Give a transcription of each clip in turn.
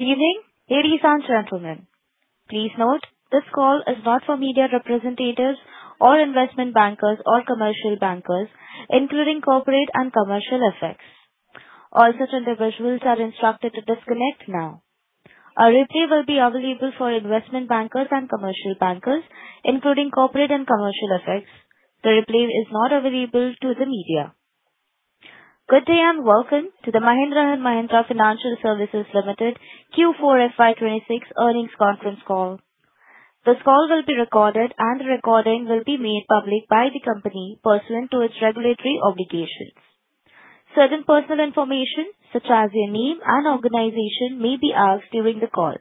Evening, ladies and gentlemen. Please note, this call is not for media representatives or investment bankers or commercial bankers, including corporate and commercial executives. All such individuals are instructed to disconnect now. A replay will be available for investment bankers and commercial bankers, including corporate and commercial executives. The replay is not available to the media. Good day and welcome to the Mahindra & Mahindra Financial Services Limited Q4 FY 2026 earnings conference call. The call will be recorded and the recording will be made public by the company pursuant to its regulatory obligations. Certain personal information, such as your name and organization, may be asked during the call.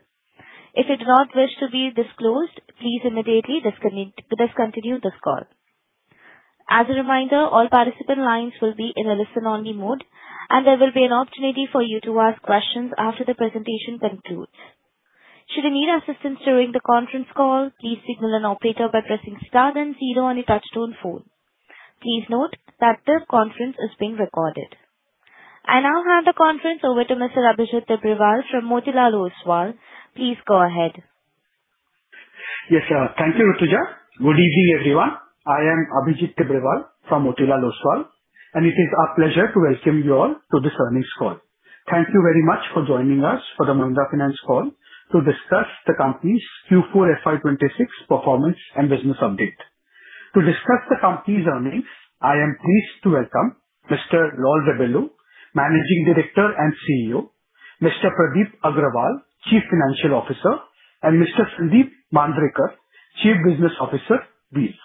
If you do not wish to be disclosed, please immediately discontinue this call. As a reminder, all participant lines will be in a listen-only mode, and there will be an opportunity for you to ask questions after the presentation concludes. Should you need assistance during the conference call, please signal an operator by pressing star then zero on your touch-tone phone. Please note that this conference is being recorded. I now hand the conference over to Mr. Abhijit Tibrewal from Motilal Oswal. Please go ahead. Yes. Thank you, Rituja. Good evening, everyone. I am Abhijit Tibrewal from Motilal Oswal, and it is our pleasure to welcome you all to this earnings call. Thank you very much for joining us for the Mahindra & Mahindra Financial Services call to discuss the company's Q4 FY 2026 performance and business update. To discuss the company's earnings, I am pleased to welcome Mr. Raul Rebello, Managing Director and CEO, Mr. Pradeep Agarwal, Chief Financial Officer, and Mr. Sandeep Mandrekar, Chief Business Officer, Wheels.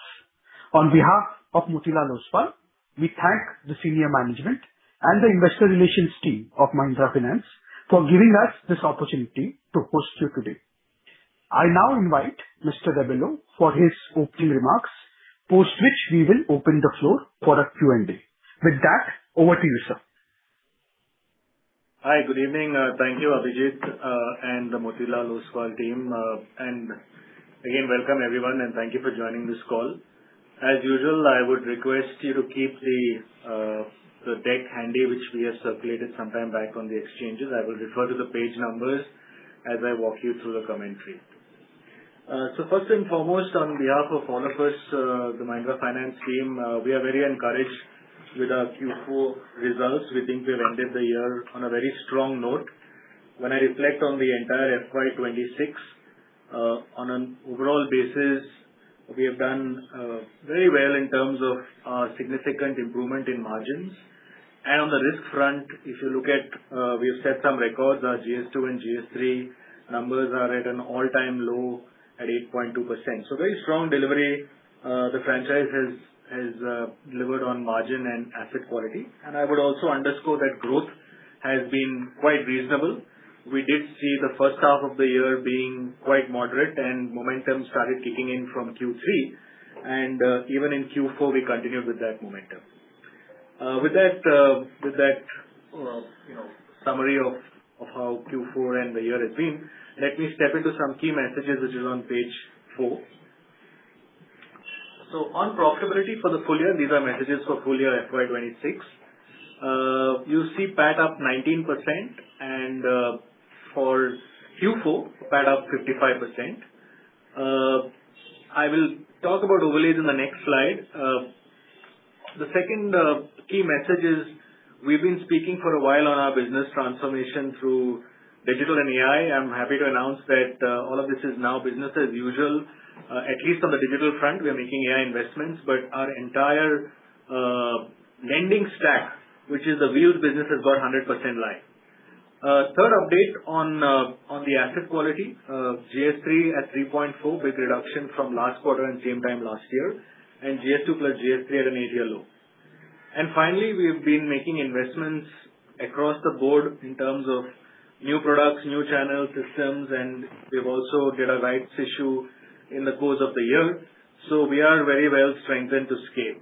On behalf of Motilal Oswal, we thank the senior management and the investor relations team of Mahindra & Mahindra Financial Services for giving us this opportunity to host you today. I now invite Mr. Rebello for his opening remarks, post which we will open the floor for a Q and A. With that, over to you, sir. Hi. Good evening. Thank you, Abhijit and the Motilal Oswal team. Again, welcome everyone, and thank you for joining this call. As usual, I would request you to keep the deck handy, which we have circulated some time back on the exchanges. I will refer to the page numbers as I walk you through the commentary. First and foremost, on behalf of all of us, the Mahindra Finance team, we are very encouraged with our Q4 results. We think we've ended the year on a very strong note. When I reflect on the entire FY 2026, on an overall basis, we have done very well in terms of significant improvement in margins. On the risk front, if you look at, we have set some records. Our GS2 and GS3 numbers are at an all-time low at 8.2%. Very strong delivery. The franchise has delivered on margin and asset quality. I would also underscore that growth has been quite reasonable. We did see the first half of the year being quite moderate, and momentum started kicking in from Q3. Even in Q4, we continued with that momentum. With that summary of how Q4 and the year has been, let me step into some key messages, which is on page four. On profitability for the full year, these are messages for full year FY 2026. You see PAT up 19% and for Q4, PAT up 55%. I will talk about overlays in the next slide. The second key message is we've been speaking for a while on our business transformation through digital and AI. I'm happy to announce that all of this is now business as usual. At least on the digital front, we are making AI investments, but our entire lending stack, which is the Wheels business, has got 100% live. Third update on the asset quality. GS3 at 3.4, big reduction from last quarter and same time last year. GS2 plus GS3 at an eight year low. Finally, we've been making investments across the board in terms of new products, new channel systems, and we've also did a rights issue in the course of the year. We are very well strengthened to scale.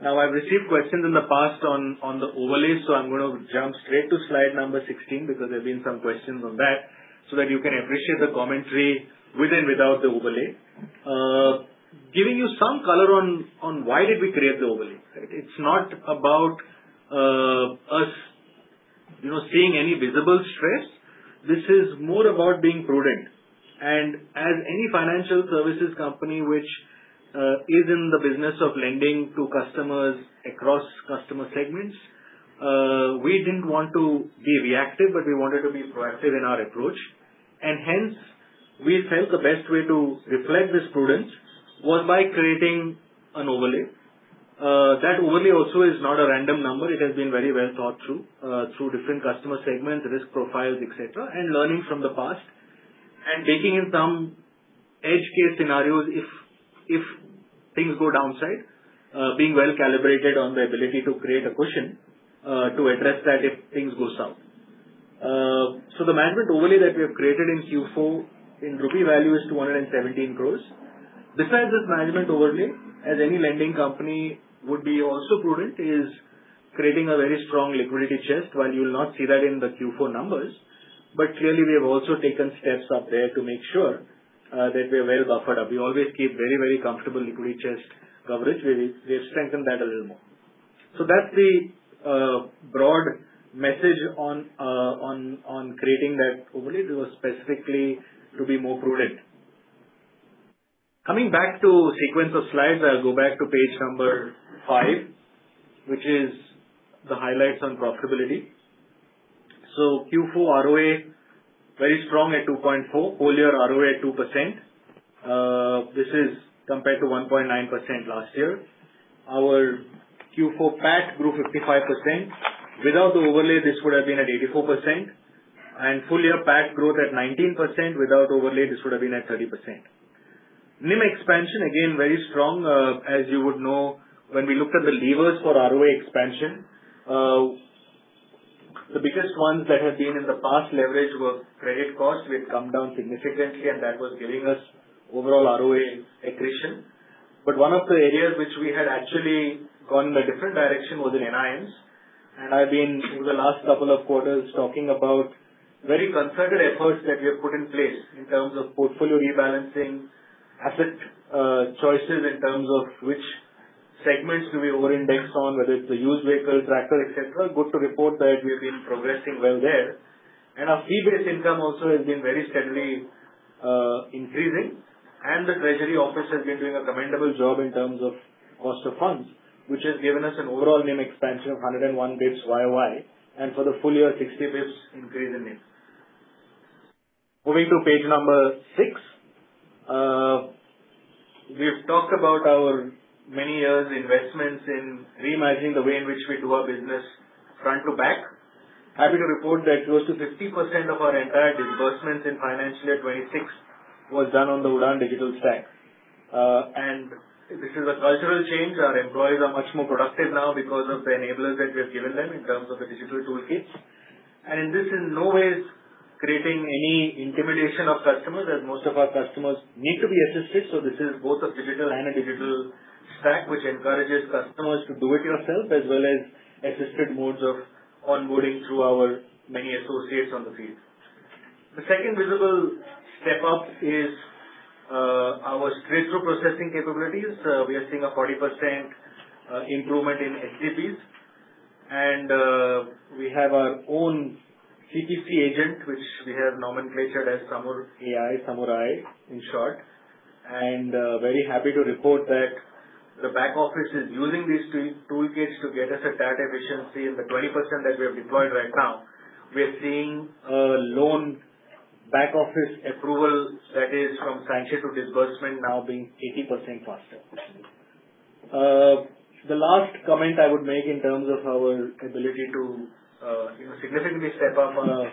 Now, I've received questions in the past on the overlay, so I'm going to jump straight to slide number 16 because there have been some questions on that, so that you can appreciate the commentary with and without the overlay. Giving you some color on why did we create the overlay. It's not about us seeing any visible stress. This is more about being prudent. As any financial services company, which is in the business of lending to customers across customer segments, we didn't want to be reactive, but we wanted to be proactive in our approach. Hence, we felt the best way to reflect this prudence was by creating an overlay. That overlay also is not a random number. It has been very well thought through through different customer segments, risk profiles, et cetera, and learning from the past and taking in some edge case scenarios if things go downside, being well-calibrated on the ability to create a cushion, to address that if things go south. The management overlay that we have created in Q4 in rupee value is 217 crore. Besides this management overlay, as any lending company would be also prudent, is creating a very strong liquidity chest. While you will not see that in the Q4 numbers, but clearly, we have also taken steps up there to make sure that we are well buffered up. We always keep very comfortable liquidity chest coverage. We've strengthened that a little more. That's the broad message on creating that overlay. It was specifically to be more prudent. Coming back to sequence of slides, I'll go back to page number five, which is the highlights on profitability. Q4 ROA, very strong at 2.4%. Full year ROA at 2%. This is compared to 1.9% last year. Our Q4 PAT grew 55%. Without the overlay, this would have been at 84%, and full year PAT growth at 19%. Without overlay, this would have been at 30%. NIM expansion, again, very strong. As you would know, when we looked at the levers for ROA expansion, the biggest ones that had been in the past leverage were credit costs, which come down significantly, and that was giving us overall ROA accretion. One of the areas which we had actually gone a different direction was in NIMs. I've been, over the last couple of quarters, talking about very concerted efforts that we have put in place in terms of portfolio rebalancing, asset choices in terms of which segments to be over-indexed on, whether it's a used vehicle, tractor, et cetera. Good to report that we have been progressing well there. Our fee-based income also has been very steadily increasing. The treasury office has been doing a commendable job in terms of cost of funds, which has given us an overall NIM expansion of 101 basis points year-over-year. For the full year, 60 basis points increase in NIM. Moving to page number six. We've talked about our many years' investments in reimagining the way in which we do our business front to back. Happy to report that close to 50% of our entire disbursements in financial year 2026 was done on the Udaan digital stack. This is a cultural change. Our employees are much more productive now because of the enablers that we have given them in terms of the digital toolkits. This in no way is creating any intimidation of customers, as most of our customers need to be assisted. This is both a digital and a digital stack which encourages customers to do it yourself as well as assisted modes of onboarding through our many associates on the field. The second visible step-up is our straight-through processing capabilities. We are seeing a 40% improvement in STPs. We have our own CTC agent, which we have nomenclatured as SamarAI, Samurai in short. Very happy to report that the back office is using these toolkits to get us a data efficiency in the 20% that we have deployed right now. We are seeing a loan back-office approval that is from sanction to disbursement now being 80% faster. The last comment I would make in terms of our ability to significantly step up our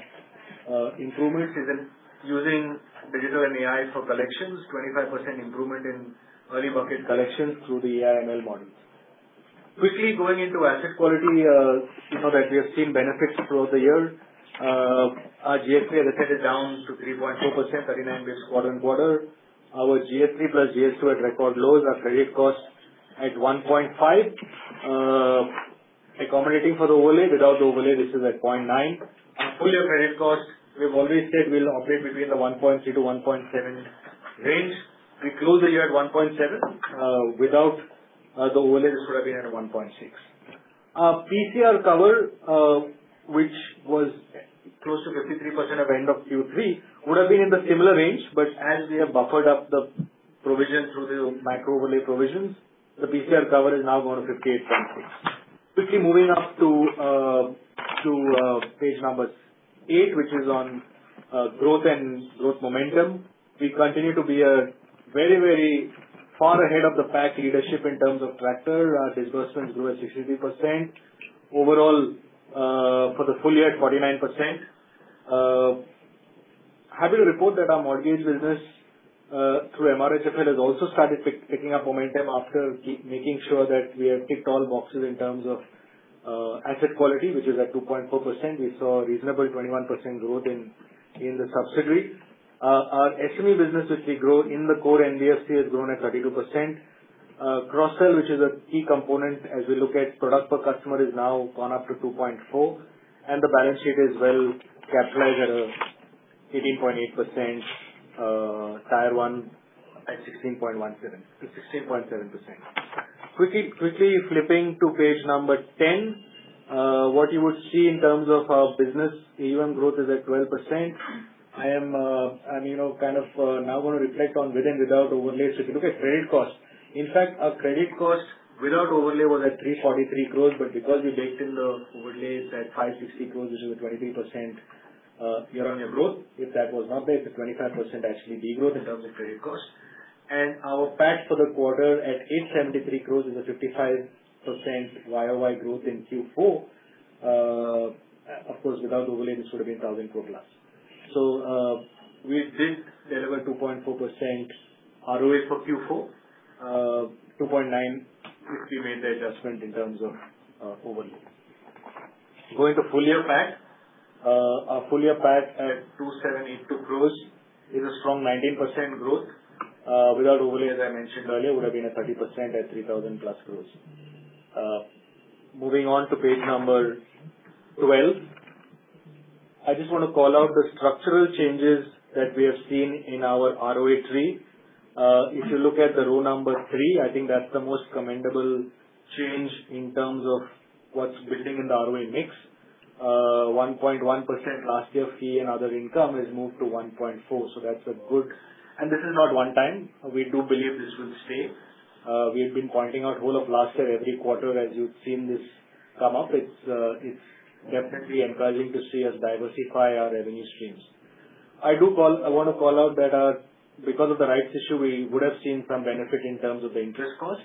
improvements is in using digital and AI for collections. 25% improvement in early bucket collections through the AI/ML models. Quickly going into asset quality. You know that we have seen benefits throughout the year. Our GNPA has come down to 3.2%, 39 basis points quarter-on-quarter. Our GS3 plus GS2 at record lows. Our credit cost at 1.5. Accommodating for the overlay. Without the overlay, this is at 0.9. Our full-year credit cost, we've always said will operate between the 1.3%-1.7% range. We closed the year at 1.7%. Without the overlay, this would have been at 1.6%. Our PCR cover, which was close to 53% at end of Q3, would have been in the similar range. As we have buffered up the provision through the macro overlay provisions, the PCR cover has now gone to 58.6%. Quickly moving to page eight, which is on growth and growth momentum. We continue to be very far ahead of the pack leadership in terms of tractor. Our disbursements grew at 63%. Overall, for the full year, at 49%. Happy to report that our mortgage business through MRHL has also started picking up momentum after making sure that we have ticked all boxes in terms of asset quality, which is at 2.4%. We saw reasonable 21% growth in the subsidiary. Our SME business, which we grow in the core NBFC, has grown at 32%. Cross-sell, which is a key component as we look at product per customer, is now gone up to 2.4, and the balance sheet is well capitalized at 18.8%, Tier 1 at 16.7%. Quickly flipping to page number 10. What you would see in terms of our business AUM growth is at 12%. I am now going to reflect on with and without overlays. If you look at credit cost, in fact, our credit cost without overlay was at 343 crore. Because we baked in the overlays at 560 crores, which is a 23% year-on-year growth. If that was not there, it's a 25% actually de-growth in terms of credit cost. Our PAT for the quarter at 873 crores is a 55% YoY growth in Q4. Of course, without overlay, this would have been 1,000 crore-plus. We did deliver 2.4% ROA for Q4, 2.9% if we made the adjustment in terms of overlay. Going to full-year PAT. Our full-year PAT at 272 crores is a strong 19% growth. Without overlay, as I mentioned earlier, it would have been a 30% at 3,000-plus crores. Moving on to page number 12. I just want to call out the structural changes that we have seen in our ROA3. If you look at the row number three, I think that's the most commendable change in terms of what's building in the ROA mix. 1.1% last year; fee and other income has moved to 1.4%. That's good. This is not one time. We do believe this will stay. We have been pointing out whole of last year, every quarter, as you've seen this come up. It's definitely encouraging to see us diversify our revenue streams. I want to call out that because of the rights issue, we would have seen some benefit in terms of the interest cost.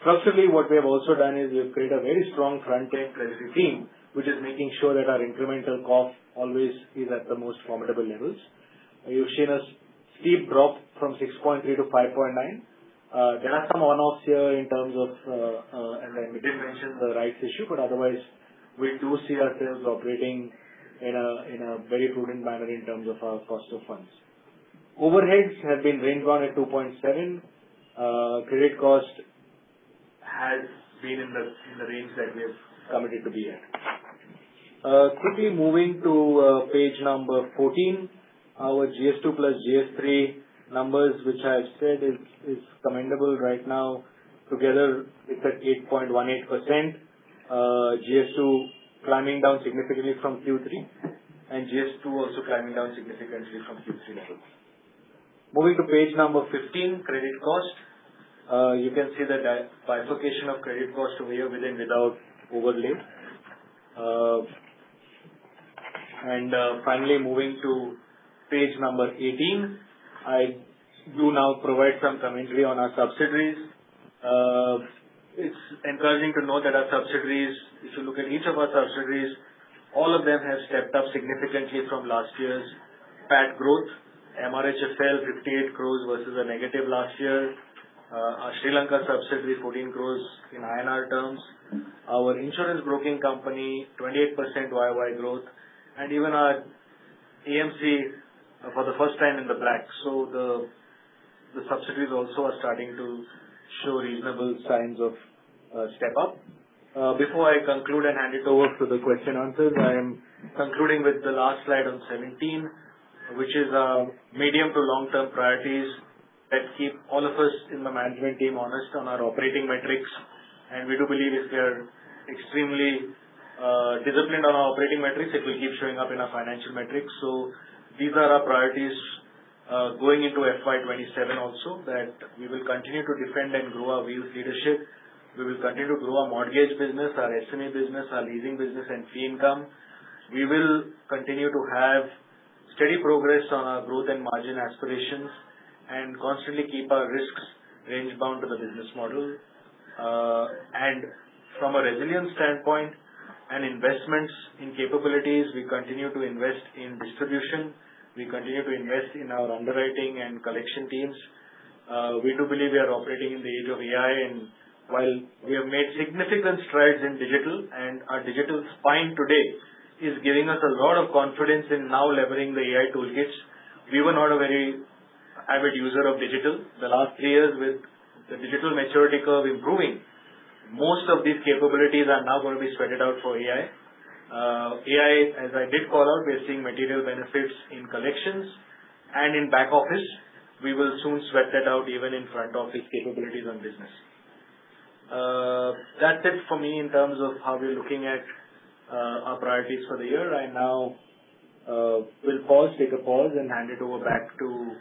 Structurally, what we have also done is we have created a very strong front-end credit team, which is making sure that our incremental cost always is at the most formidable levels. You've seen a steep drop from 6.3% to 5.9%. There are some one-offs here in terms of, and then we did mention the rights issue, but otherwise we do see ourselves operating in a very prudent manner in terms of our cost of funds. Overheads have been range bound at 2.7%. Credit cost has been in the range that we have committed to be in. Quickly moving to page 14, our GS2 + GS3 numbers, which I have said is commendable right now together it's at 8.18%. GS2 coming down significantly from Q3 and GS3 also coming down significantly from Q3 levels. Moving to page 15, credit cost. You can see the bifurcation of credit cost over here with and without overlay. Finally, moving to page 18. I do now provide some commentary on our subsidiaries. It's encouraging to know that our subsidiaries, if you look at each of our subsidiaries, all of them have stepped up significantly from last year's PAT growth. MRHL, 58 crores versus a negative last year. Our Sri Lanka subsidiary, 14 crores INR in INR terms. Our insurance broking company, 28% YoY growth. Even our AMC for the first time in the black. The subsidiaries also are starting to show reasonable signs of step up. Before I conclude and hand it over for the question answers, I am concluding with the last slide on 17, which is our medium to long-term priorities that keep all of us in the management team honest on our operating metrics. We do believe if we are extremely disciplined on our operating metrics, it will keep showing up in our financial metrics. These are our priorities, going into FY 2027 also, that we will continue to defend and grow our wheels leadership. We will continue to grow our mortgage business, our SME business, our leasing business, and fee income. We will continue to have steady progress on our growth and margin aspirations and constantly keep our risks range bound to the business model. From a resilience standpoint and investments in capabilities, we continue to invest in distribution. We continue to invest in our underwriting and collection teams. We do believe we are operating in the age of AI, and while we have made significant strides in digital and our digital spine today is giving us a lot of confidence in now leveraging the AI toolkits. We were not a very avid user of digital. The last three years with the digital maturity curve improving, most of these capabilities are now going to be sweated out for AI. AI, as I did call out, we're seeing material benefits in collections and in back office. We will soon sweat that out even in front-office capabilities on business. That's it for me in terms of how we're looking at our priorities for the year. I now will take a pause and hand it over back to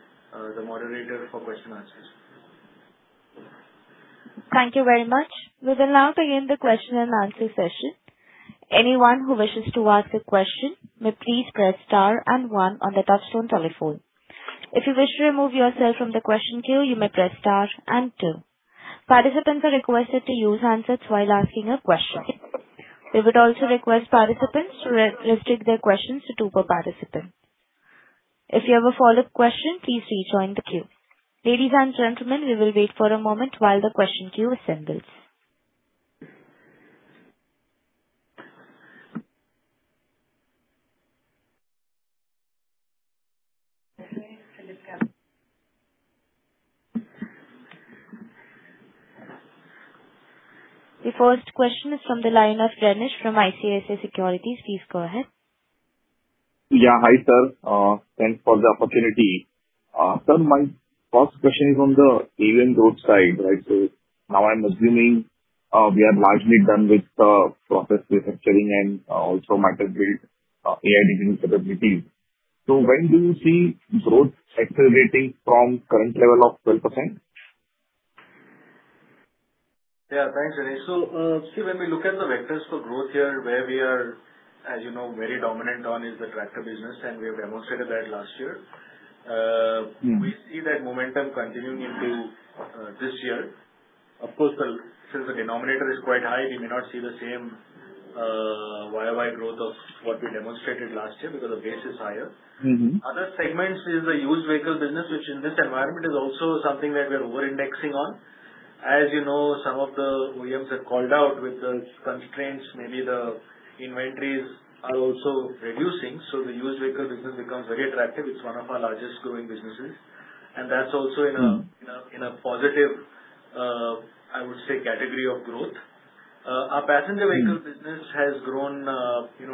the moderator for question answers. Thank you very much. We'll now begin the question-and-answer session. Anyone who wishes to ask a question may please press star and one on the touch-tone telephone. If you wish to remove yourself from the question queue, you may press star and two. Participants are requested to use handsets while asking a question. We would also request participants to restrict their questions to two per participant. If you have a follow-up question, please rejoin the queue. Ladies and gentlemen, we will wait for a moment while the question queue assembles. The first question is from the line of Renish from ICICI Securities. Please go ahead. Yeah. Hi, sir. Thanks for the opportunity. Sir, my first question is on the AUM growth side, right? Now I'm assuming we are largely done with the process restructuring and also matter of building AI digital capabilities. When do you see growth accelerating from current level of 12%? Yeah. Thanks, Renish. See, when we look at the vectors for growth here, where we are, as you know, very dominant on is the tractor business, and we have demonstrated that last year. Mm-hmm. We see that momentum continuing into this year. Of course, since the denominator is quite high, we may not see the same YoY growth of what we demonstrated last year because the base is higher. Mm-hmm. Other segments is the used vehicle business, which in this environment is also something that we're over-indexing on. As you know, some of the OEMs have called out with the constraints. Maybe the inventories are also reducing. The used vehicle business becomes very attractive. It's one of our largest growing businesses, and that's also in a positive, I would say, category of growth. Our passenger vehicle business has grown in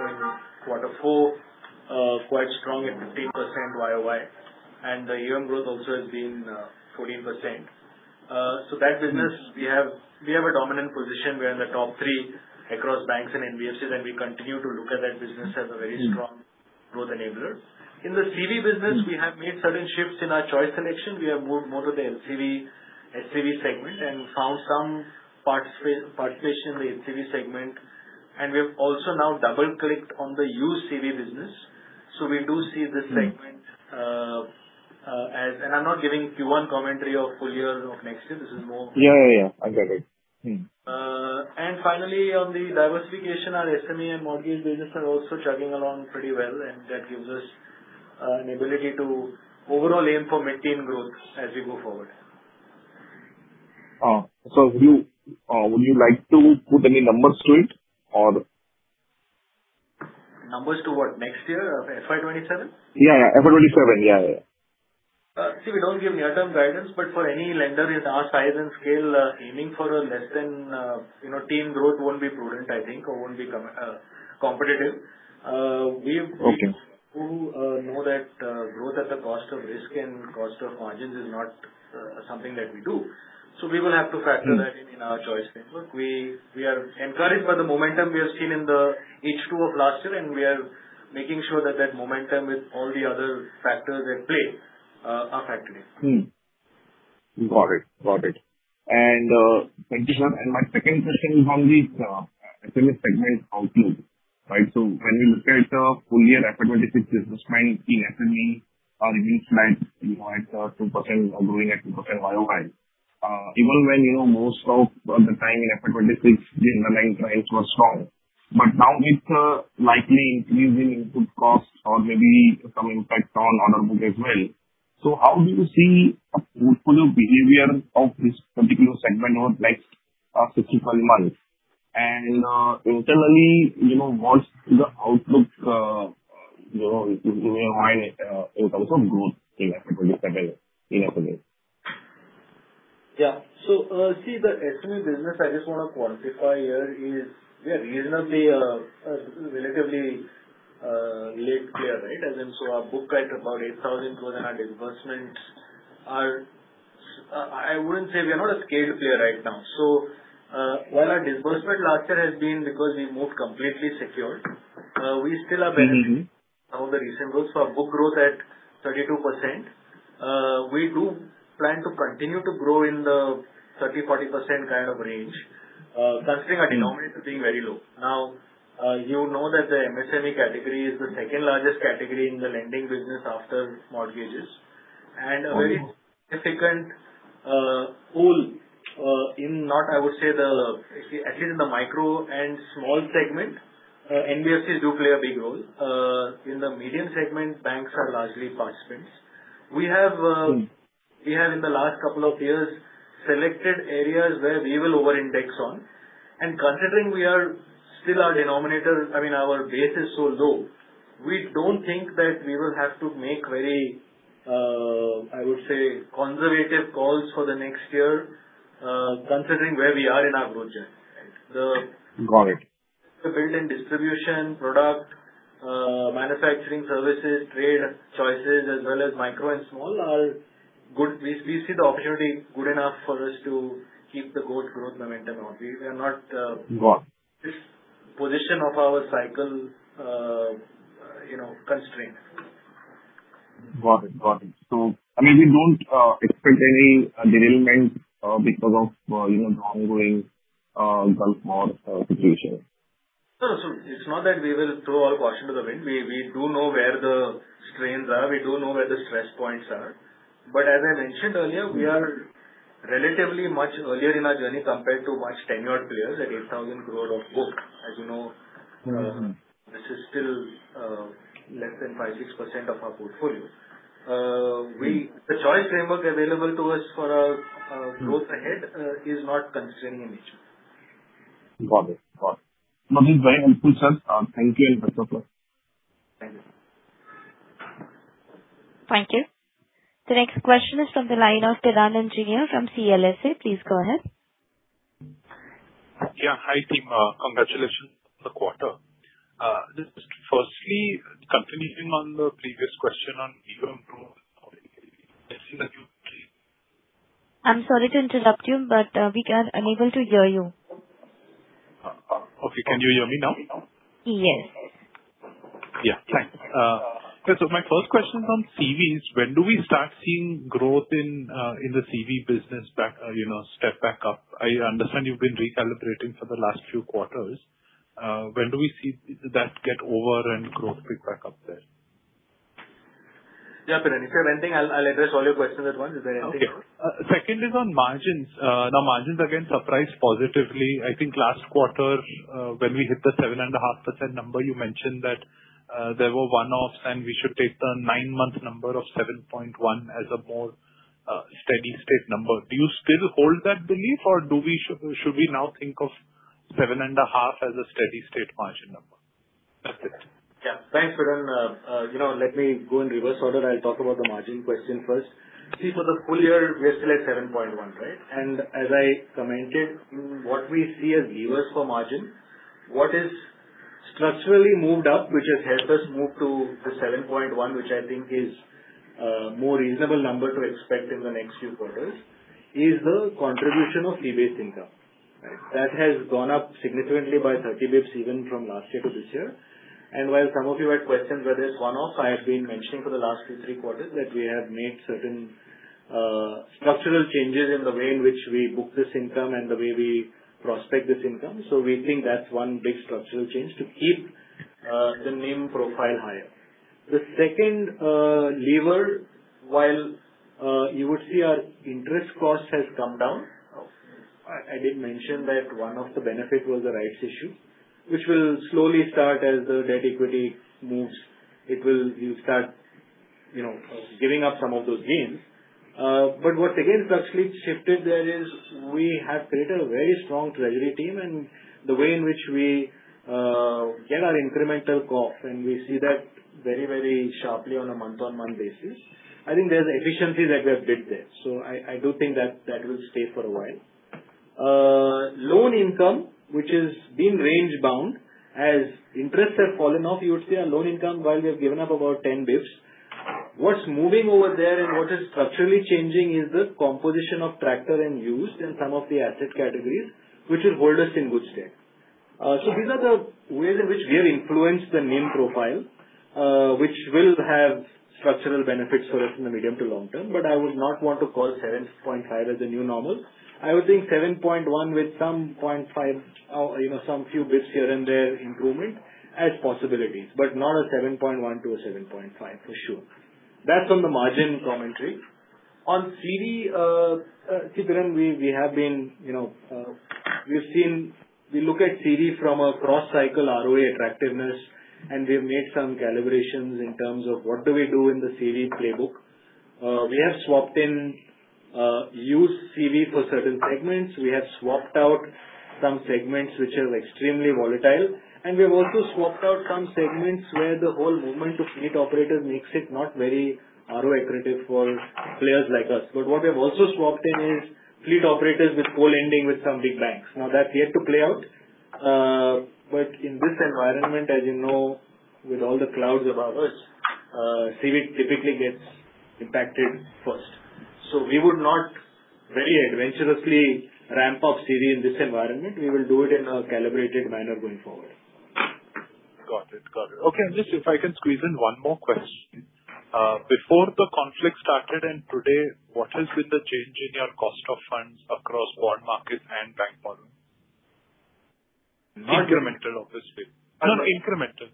Q4 quite strong at 15% YoY, and the year-on-year growth also has been 14%. That business we have a dominant position. We are in the top three across banks and NBFC, and we continue to look at that business as a very strong growth enabler. In the CV business, we have made certain shifts in our choice selection. We have moved more to the SCV segment and found some participation in the HCV segment, and we have also now double-clicked on the used CV business. We do see this segment, and I'm not giving Q1 commentary of full year of next year. This is more. Yeah. I get it. Finally, on the diversification, our SME and mortgage business are also chugging along pretty well, and that gives us an ability to overall aim to maintain growth as we go forward. Would you like to put any numbers to it? Numbers to what? Next year, FY 2027? Yeah. FY 2027. See, we don't give near-term guidance, but for any lender in our size and scale, aiming for less than 10% growth won't be prudent, I think, or won't be competitive. Okay. We do know that growth at the cost of risk and cost of margins is not something that we do. We will have to factor that in our choice framework. We are encouraged by the momentum we have seen in the H2 of last year, and we are making sure that momentum with all the other factors at play are factored in. Got it. My second question is on the SME segment outlook. When we look at the full year FY 2026 business planning in SME are a bit flat at 2% or growing at 2% YoY. Even when most of the time in FY 2026 the underlying trends were strong. Now with the likely increase in input costs or maybe some impact on order book as well. How do you see a portfolio behavior of this particular segment over the next six to 12 months? Internally, what's the outlook in your mind in terms of growth in FY 2027 in SME? See, the SME business, I just want to quantify here, we are reasonably, relatively late player. Our book at about 8,200 disbursements. I wouldn't say we are not a scale player right now. While our disbursement last year has been because we moved completely secured, we still are benefiting some of the recent books. Our book growth at 32%. We do plan to continue to grow in the 30%-40% kind of range, considering our denominators are being very low. You know that the MSME category is the second largest category in the lending business after mortgages and a very significant pool in, not I would say the at least in the micro and small segment, NBFCs do play a big role. In the medium segment, banks are largely participants. We have in the last couple of years selected areas where we will over-index on and considering we are still our denominator, our base is so low, we don't think that we will have to make very, I would say, conservative calls for the next year, considering where we are in our growth journey. Got it. The built-in distribution product, manufacturing services, trade choices as well as micro and small, we see the opportunity good enough for us to keep the growth momentum on. We are not- Got it. This position of our cycle constrained. Got it. We don't expect any derailment because of the ongoing Gulf conflict situation. No. It's not that we will throw our caution to the wind. We do know where the strains are. We do know where the stress points are. As I mentioned earlier, we are relatively much earlier in our journey compared to much tenured players at 8,000 crore of book. As you know. Mm-hmm This is still less than 5%-6% of our portfolio. The choice framework available to us for our growth ahead is not constraining in nature. Got it. No, this is very helpful, sir. Thank you and best of luck. Thank you. Thank you. The next question is from the line of Piran Engineer from CLSA. Please go ahead. Yeah. Hi, team. Congratulations on the quarter. Just firstly, continuing on the previous question on year-on-year growth. I see that you- I'm sorry to interrupt you, but we are unable to hear you. Okay. Can you hear me now? Yes. Yeah. Thanks. My first question is on CVs. When do we start seeing growth in the CV business step back up? I understand you've been recalibrating for the last few quarters. When do we see that get over and growth pick back up there? Yeah, Piran. If you have anything, I'll address all your questions at once. Is there anything else? Okay. Second is on margins. Now, margins again surprised positively. I think last quarter, when we hit the 7.5% number, you mentioned that there were one-offs and we should take the nine-month number of 7.1% as a more steady state number. Do you still hold that belief or should we now think of 7.5% as a steady state margin number? That's it. Thanks, Piran. Let me go in reverse order. I'll talk about the margin question first. See, for the full year, we are still at 7.1%, right? As I commented, what we see as levers for margin, what is structurally moved up, which has helped us move to the 7.1%, which I think is a more reasonable number to expect in the next few quarters, is the contribution of fee-based income. Right. That has gone up significantly by 30 basis points even from last year to this year. While some of you had questioned whether it's one-off, I have been mentioning for the last three quarters that we have made certain structural changes in the way in which we book this income and the way we prospect this income. We think that's one big structural change to keep the NIM profile higher. The second lever, while you would see our interest cost has come down. I did mention that one of the benefit was the rights issue, which will slowly start as the debt equity moves. You start giving up some of those gains. What again structurally shifted there is we have created a very strong treasury team and the way in which we get our incremental COF, and we see that very sharply on a month-on-month basis. I think there's efficiency that we have built there. I do think that will stay for a while. Loan income, which has been range-bound, as interests have fallen off, you would see our loan income, while we have given up about 10 basis points. What's moving over there and what is structurally changing is the composition of tractors and UVs in some of the asset categories, which will hold us in good stead. These are the way in which we have influenced the NIM profile which will have structural benefits for us in the medium to long term. I would not want to call 7.5% as the new normal. I would think 7.1% with 0.5% or some few bits here and there improvement as possibilities, but not a 7.1%-7.5%, for sure. That's on the margin commentary. On CV, see, Piran, we look at CV from a cross-cycle ROA attractiveness, and we've made some calibrations in terms of what do we do in the CV playbook. We have swapped in used CV for certain segments. We have swapped out some segments which are extremely volatile. We have also swapped out some segments where the whole movement of fleet operators makes it not very ROA accretive for players like us. What we have also swapped in is fleet operators with co-lending with some big banks. Now, that's yet to play out. In this environment, as you know, with all the clouds above us, CV typically gets impacted first. We would not very adventurously ramp up CV in this environment. We will do it in a calibrated manner going forward. Got it. Okay. If I can squeeze in one more question. Before the conflict started and today, what has been the change in your cost of funds across bond market and bank borrowing? Incremental, obviously. Incremental.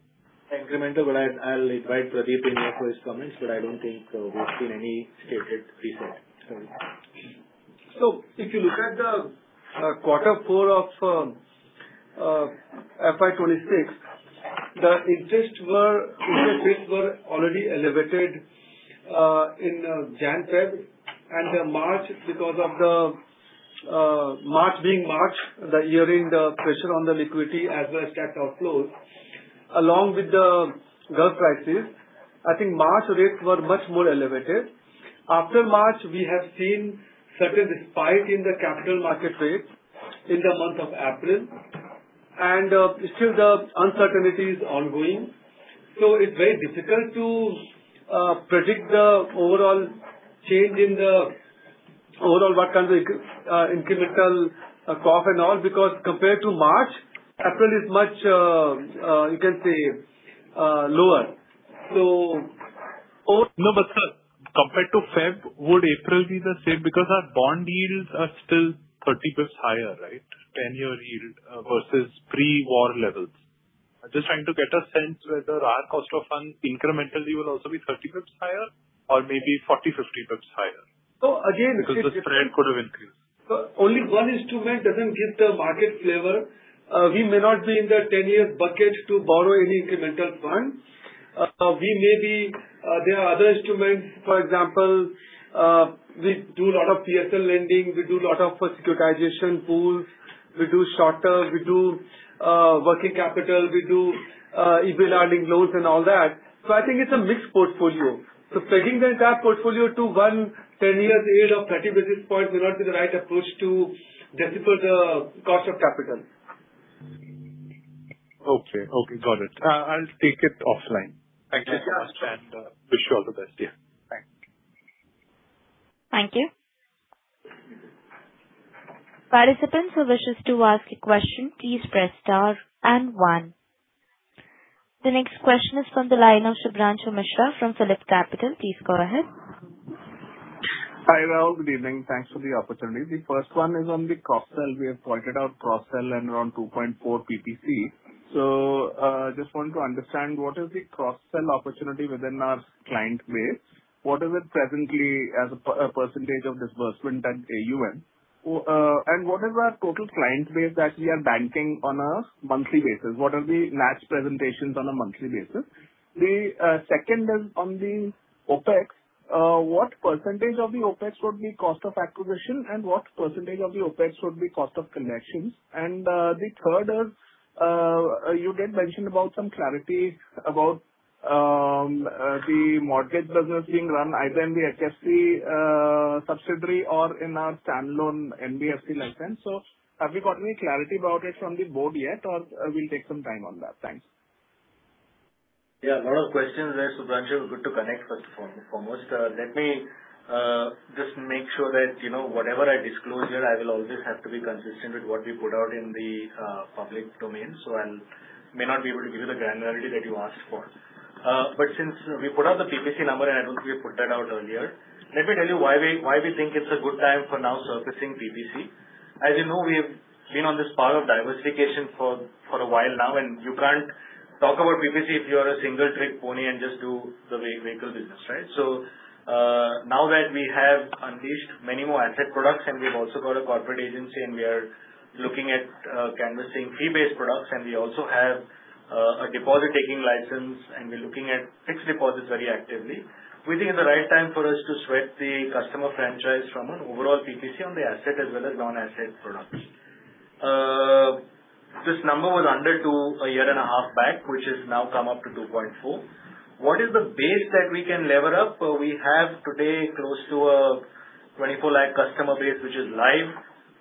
Well, I'll invite Pradeep in here for his comments, but I don't think we've seen any stated effect. Sorry. If you look at quarter four of FY 2026, the interest rates were already elevated in January, February, and March because of March being March, the year-end pressure on the liquidity as well as cash outflows. Along with the Gulf crisis, I think March rates were much more elevated. After March, we have seen certain spike in the capital market rates in the month of April, and still the uncertainty is ongoing. It's very difficult to predict the overall change in what can be incremental COF and all, because compared to March, April is much, you can say, lower. No, sir, compared to February, would April be the same? Because our bond yields are still 30 basis points higher, right? 10-year yield versus pre-war levels. I'm just trying to get a sense whether our cost of funds incrementally will also be 30 basis points higher or maybe 40, 50 basis points higher. Again. Because the spread could have increased. Only one instrument doesn't give the market flavor. We may not be in the 10-year bucket to borrow any incremental funds. There are other instruments, for example, we do a lot of PSL lending, we do a lot of securitization pools, we do shorter, we do working capital, we do EB lending loans and all that. I think it's a mixed portfolio. Pegging the entire portfolio to one 10-year yield of 30 basis points will not be the right approach to decipher the cost of capital. Okay. Got it. I'll take it offline. Thank you. Wish you all the best. Yeah. Bye. Thank you. Participants who wishes to ask a question, please press star and one. The next question is from the line of Shubhranshu Mishra from PhillipCapital. Please go ahead. Hi, Raul. Good evening. Thanks for the opportunity. The first one is on the cross-sell. We have pointed out cross-sell and around 2.4 PPC. Just want to understand what is the cross-sell opportunity within our client base? What is it presently as a percentage of disbursement and AUM? And what is our total client base that we are banking on a monthly basis? What are the matched presentations on a monthly basis? The second is on the OpEx. What percentage of the OpEx would be cost of acquisition and what percentage of the OpEx would be cost of connections? The third is, you did mention about some clarity about the mortgage business being run either in the HFC subsidiary or in our standalone NBFC license. Have we got any clarity about it from the board yet, or we'll take some time on that? Thanks. Yeah. A lot of questions there, Shubhranshu. Good to connect first and foremost. Let me just make sure that, whatever I disclose here, I will always have to be consistent with what we put out in the public domain. I may not be able to give you the granularity that you asked for. Since we put out the PPC number, and I don't think we put that out earlier. Let me tell you why we think it's a good time for now surfacing PPC. As you know, we've been on this path of diversification for a while now, and you can't talk about PPC if you are a single trick pony and just do the vehicle business, right? Now that we have unleashed many more asset products and we've also got a corporate agency and we are looking at canvassing fee-based products, and we also have a deposit-taking license, and we're looking at fixed deposits very actively. We think it's the right time for us to sweat the customer franchise from an overall PPC on the asset as well as non-asset products. This number was under 2.5 Year back, which has now come up to 2.4. What is the base that we can lever up? We have today close to a 24 lakh customer base, which is live.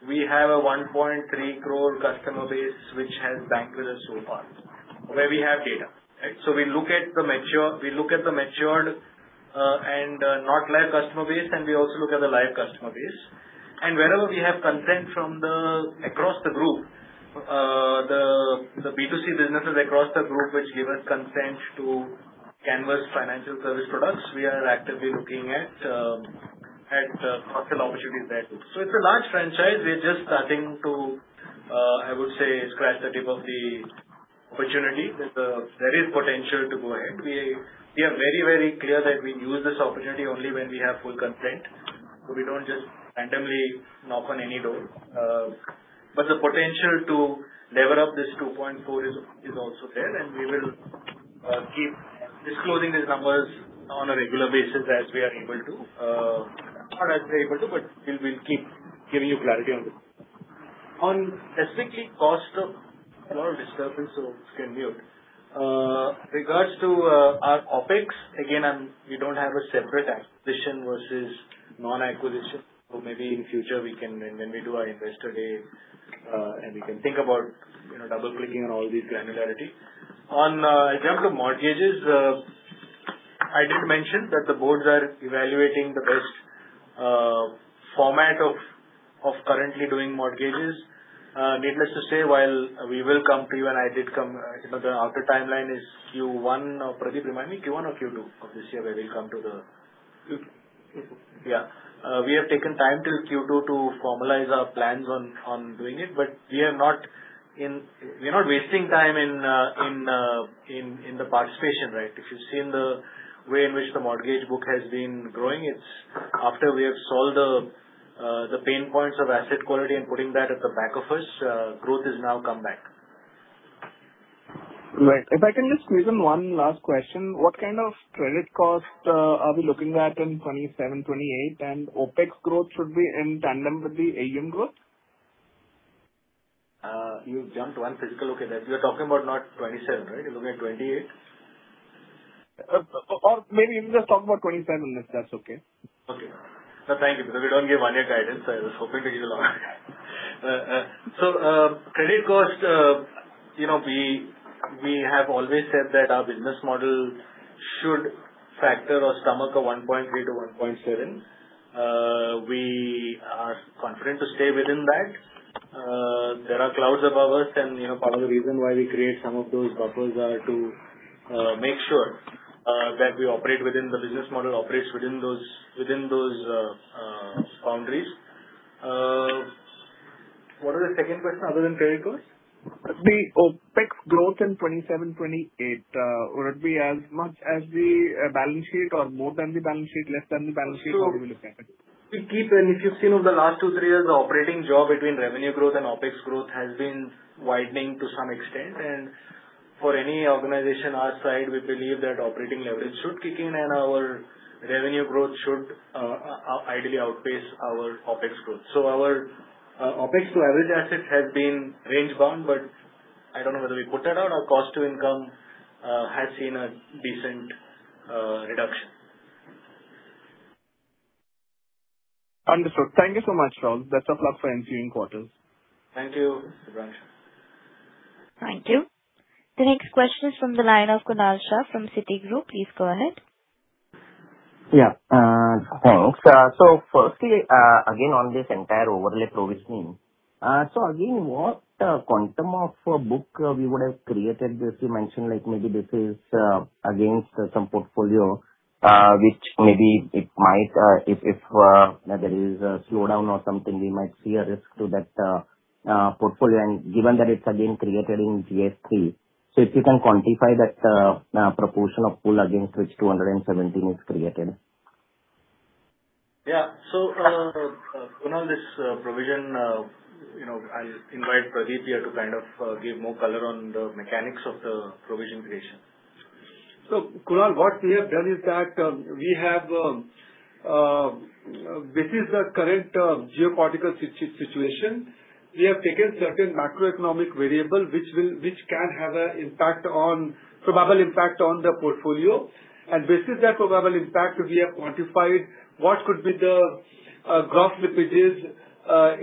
We have a 1.3 crore customer base, which has banked with us so far, where we have data. We look at the matured and not live customer base, and we also look at the live customer base. Wherever we have consent from across the group, the B2C businesses across the group which give us consent to canvass financial service products, we are actively looking at cross-sell opportunities there too. It's a large franchise. We're just starting to, I would say, scratch the tip of the opportunity. There is potential to go ahead. We are very clear that we use this opportunity only when we have full consent. We don't just randomly knock on any door. The potential to lever up this 2.4 is also there, and we will keep disclosing these numbers on a regular basis as we are able to. Not as we're able to, but we'll keep giving you clarity on this. On specifically cost of... Regarding our OpEx, again, we don't have a separate acquisition versus non-acquisition. Maybe in future, when we do our Investor Day and we can think about double-clicking on all this granularity. On account of mortgages, I did mention that the boards are evaluating the best format of currently doing mortgages. Needless to say, while we will come to you and I did come, the outer timeline is Q1. Pradeep, remind me, Q1 or Q2 of this year where we'll come to the- Q2. Yeah. We have taken time till Q2 to formalize our plans on doing it, but we are not wasting time in the participation, right? If you've seen the way in which the mortgage book has been growing, it's after we have solved the pain points of asset quality and putting that at the back office, growth has now come back. Right. If I can just squeeze in one last question, what kind of credit cost are we looking at in 2027, 2028? OpEx growth should be in tandem with the AUM growth? You jumped one fiscal. Okay, we are talking about not 2027, right? You're looking at 2028? Maybe even just talk about 2027, if that's okay. Okay. No, thank you. Because we don't give one-year guidance. I was hoping to give you a long guidance. Credit cost, we have always said that our business model should factor or stomach a 1.3%-1.7%. We are confident to stay within that. There are clouds above us, and part of the reason why we create some of those buffers are to make sure that we operate within the business model, operates within those boundaries. What was the second question other than credit cost? The OpEx growth in 2027, 2028. Would it be as much as the balance sheet or more than the balance sheet, less than the balance sheet? How are we looking at it? If you've seen over the last two, three years, the operating job between revenue growth and OpEx growth has been widening to some extent. For any organization our size, we believe that operating leverage should kick in and our revenue growth should ideally outpace our OpEx growth. Our OpEx to average assets has been range-bound, but I don't know whether we put that out. Our cost to income has seen a decent reduction. Understood. Thank you so much, Raul. Best of luck for ensuing quarters. Thank you, Shubhranshu. Thank you. The next question is from the line of Kunal Shah from Citigroup. Please go ahead. Yeah. Thanks. Firstly, again, on this entire overlay provisioning. Again, what quantum of book we would have created this? You mentioned like maybe this is against some portfolio, which maybe it might if there is a slowdown or something, we might see a risk to that portfolio. Given that it's again created in GS3, so if you can quantify that proportion of pool against which 217 is created. Yeah. Kunal, this provision, I'll invite Pradeep here to give more color on the mechanics of the provision creation. Kunal, what we have done is that we have, this is the current geopolitical situation. We have taken certain macroeconomic variable which can have a probable impact on the portfolio, and this is the probable impact we have quantified. What could be the gross slippages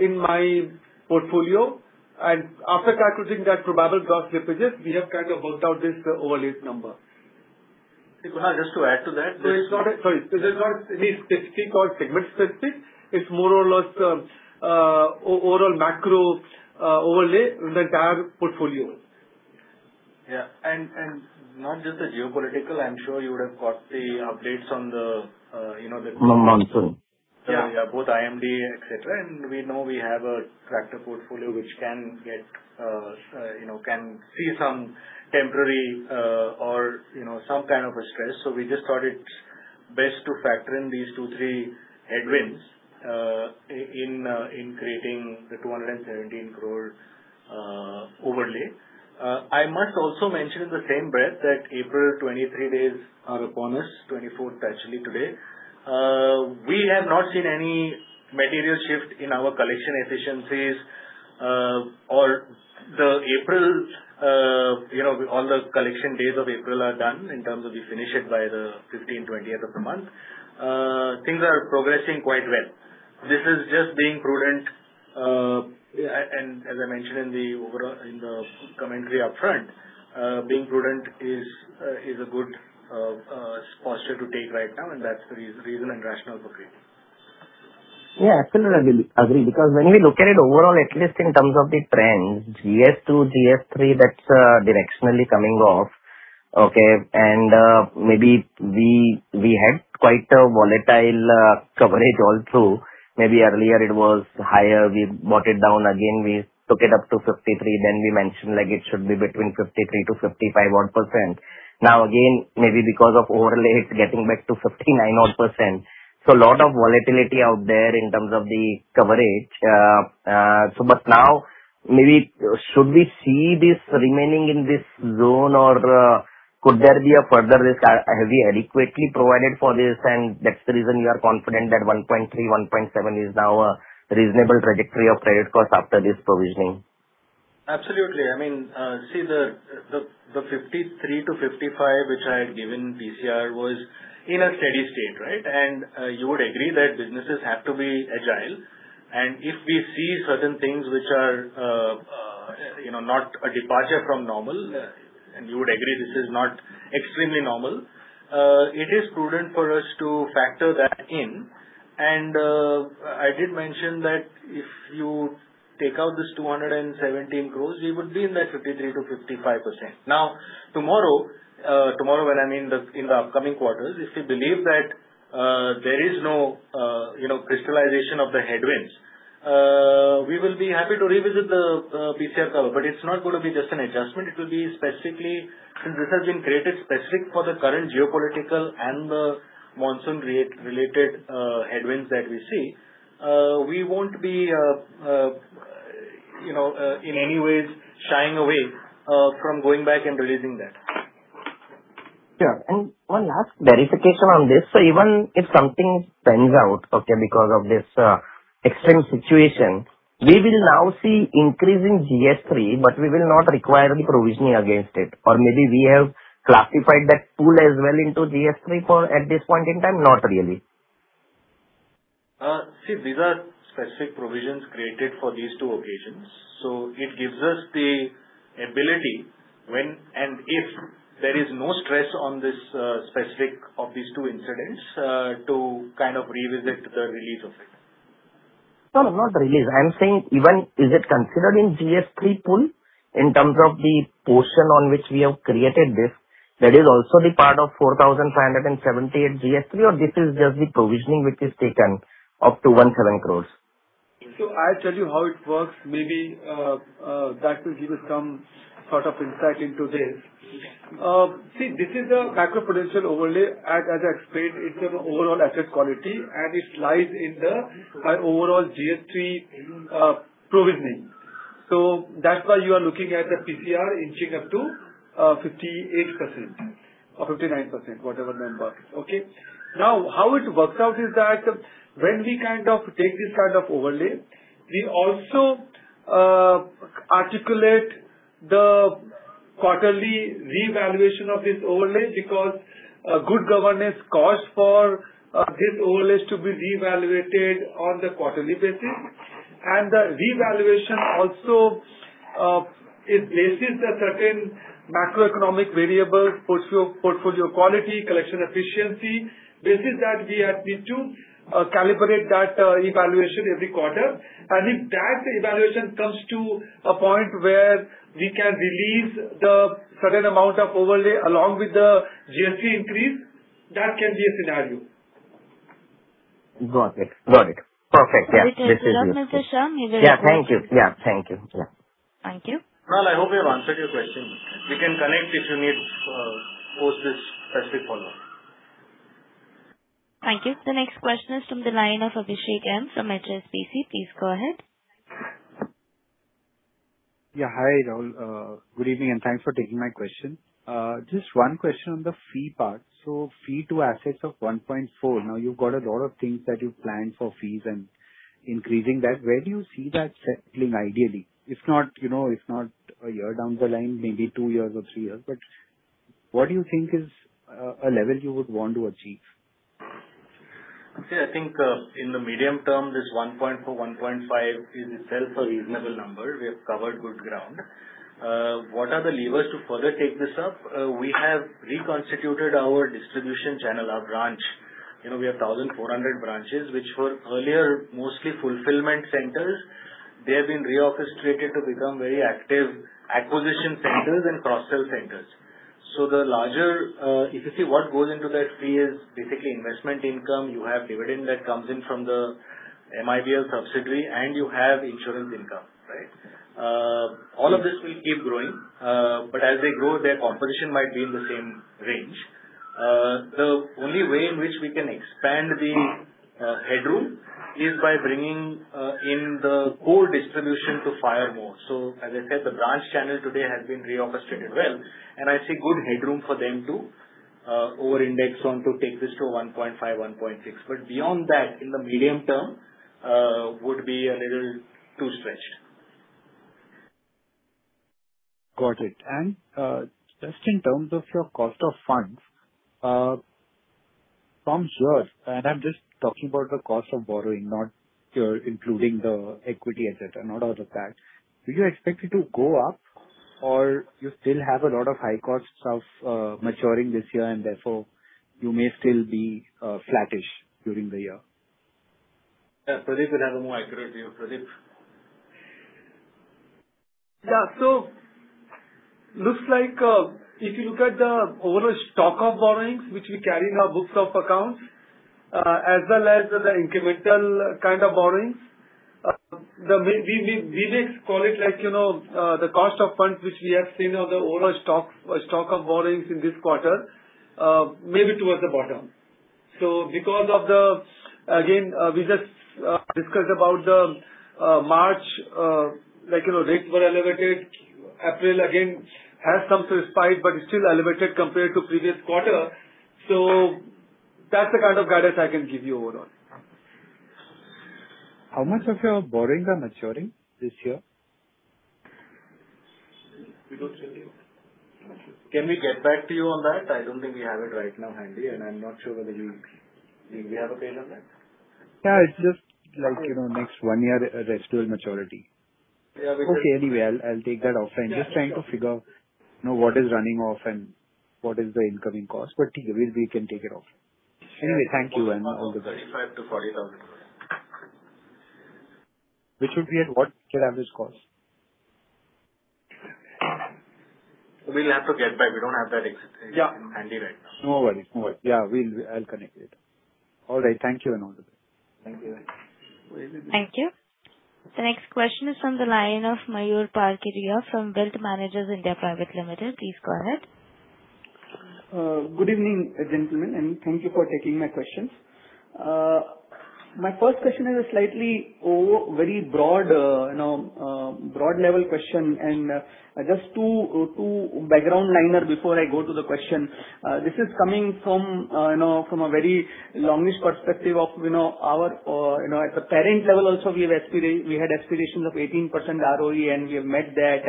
in my portfolio? After calculating that probable gross slippages, we have kind of worked out this overlays number. Just to add to that. Sorry. This is not any specific or segment-specific. It's more or less overall macro overlay in the entire portfolio. Yeah. Not just the geopolitical, I'm sure you would have got the updates on the. Monsoon. Yeah. Both IMD, et cetera, and we know we have a tractor portfolio which can see some temporary or some kind of a stress. We just thought it best to factor in these two, three headwinds in creating the 217 crore overlay. I must also mention in the same breath that April 23 days are upon us, 24th actually today. We have not seen any material shift in our collection efficiencies. All the collection days of April are done in terms of we finish it by the 15th, 20th of the month. Things are progressing quite well. This is just being prudent. As I mentioned in the commentary upfront, being prudent is a good posture to take right now, and that's the reason and rationale for creating it. Yeah, absolutely agree because when we look at it overall, at least in terms of the trends, GS2, GS3, that's directionally coming off. Okay. Maybe we had quite a volatile coverage also. Maybe earlier it was higher. We brought it down again, we took it up to 53%, then we mentioned it should be between 53% to 55%-odd%. Now again, maybe because of overlay, it's getting back to 59%-odd%. A lot of volatility out there in terms of the coverage. Now, maybe should we see this remaining in this zone or could there be a further risk? Have we adequately provided for this and that's the reason you are confident that 1.3%-1.7% is now a reasonable trajectory of credit cost after this provisioning? Absolutely. See, the 53%-55% which I had given PCR was in a steady state, right? You would agree that businesses have to be agile. If we see certain things which are not a departure from normal, and you would agree this is not extremely normal, it is prudent for us to factor that in. I did mention that if you take out this 217 crore, we would be in that 53%-55%. Now, tomorrow when I mean in the upcoming quarters, if we believe that there is no crystallization of the headwinds, we will be happy to revisit the PCR cover. It's not going to be just an adjustment. Since this has been created specific for the current geopolitical and the monsoon-related headwinds that we see, we won't be in any ways shying away from going back and releasing that. One last verification on this. Even if something pans out, okay, because of this extreme situation, we will now see increase in GS3, but we will not require the provisioning against it? Maybe we have classified that pool as well into GS3 at this point in time? Not really. See, these are specific provisions created for these two occasions. It gives us the ability when and if there is no stress on this specific of these two incidents to kind of revisit the release of it. No, not release. I'm saying even, is it considered in GS3 pool in terms of the portion on which we have created this, that is also the part of 4,578 GS3 or this is just the provisioning which is taken up to 1.7 crore? I'll tell you how it works. Maybe that will give you some sort of insight into this. See, this is a macroprudential overlay as I explained, it's an overall asset quality and it lies in the overall GS3 provisioning. That's why you are looking at the PCR inching up to 58% or 59%, whatever number. Okay? Now how it works out is that when we take this kind of overlay, we also articulate the quarterly revaluation of this overlay because a good governance calls for this overlays to be reevaluated on the quarterly basis. The revaluation also, it places a certain macroeconomic variable, portfolio quality, collection efficiency. This is that we have been to calibrate that evaluation every quarter, and if that evaluation comes to a point where we can release the certain amount of overlay along with the GS3 increase, that can be a scenario. Got it. Perfect. Yeah. Mr. Shah, you better. Yeah. Thank you. Thank you. Kunal, I hope we have answered your question. We can connect if you need post this specific follow-up. Thank you. The next question is from the line of Abhishek Murarka from HSBC. Please go ahead. Yeah. Hi, Raul. Good evening, and thanks for taking my question. Just one question on the fee part. Fee to assets of 1.4%. Now you've got a lot of things that you plan for fees and increasing that. Where do you see that settling ideally? If not a year down the line, maybe two years or three years, but what do you think is a level you would want to achieve? See, I think in the medium term, this 1.4%-1.5% is itself a reasonable number. We have covered good ground. What are the levers to further take this up? We have reconstituted our distribution channel, our branch. We have 1,400 branches which were earlier mostly fulfillment centers. They have been re-orchestrated to become very active acquisition centers and cross-sell centers. If you see what goes into that fee is basically investment income. You have dividend that comes in from the MIBL subsidiary, and you have insurance income, right? All of this will keep growing, but as they grow, their composition might be in the same range. The only way in which we can expand the headroom is by bringing in the core distribution to hire more. As I said, the branch channel today has been re-orchestrated well, and I see good headroom for them to over-index on to take this to 1.5-1.6. Beyond that, in the medium term, would be a little too stretched. Got it. Just in terms of your cost of funds from ZERF, and I'm just talking about the cost of borrowing, not including the equity et cetera, not all of that. Do you expect it to go up or you still have a lot of high costs of maturing this year and therefore you may still be flattish during the year? Yeah. Pradeep will have a more accurate view. Pradeep. Yeah. Looks like if you look at the overall stock of borrowings, which we carry in our books of accounts, as well as the incremental kind of borrowings, we may call it the cost of funds which we have seen or the overall stock of borrowings in this quarter may be towards the bottom. Because, again, we just discussed about the March rates were elevated. April again has come to a spike, but it's still elevated compared to previous quarter. That's the kind of guidance I can give you overall. How much of your borrowings are maturing this year? We don't have it. Can we get back to you on that? I don't think we have it right now handy, and I'm not sure whether you. Do we have a page on that? Yeah, it's just next one year residual maturity. Yeah. Okay. Anyway, I'll take that offline. Just trying to figure what is running off and what is the incoming cost. We can take it off. Anyway, thank you and all the best. INR 35,000-40,000 thousand. Which would be at what average cost? We'll have to get back. We don't have that. Yeah. Handy right now. No worries. Yeah, I'll connect later. All right. Thank you and all the best. Thank you. Thank you. The next question is from the line of Mayur Parkeria from Wealth Managers India Private Limited. Please go ahead. Good evening, gentlemen, and thank you for taking my questions. My first question is a slightly very broad level question, and just two background lines before I go to the question. This is coming from a very longish perspective of our. At the parent level also, we had aspirations of 18% ROE and we have met that.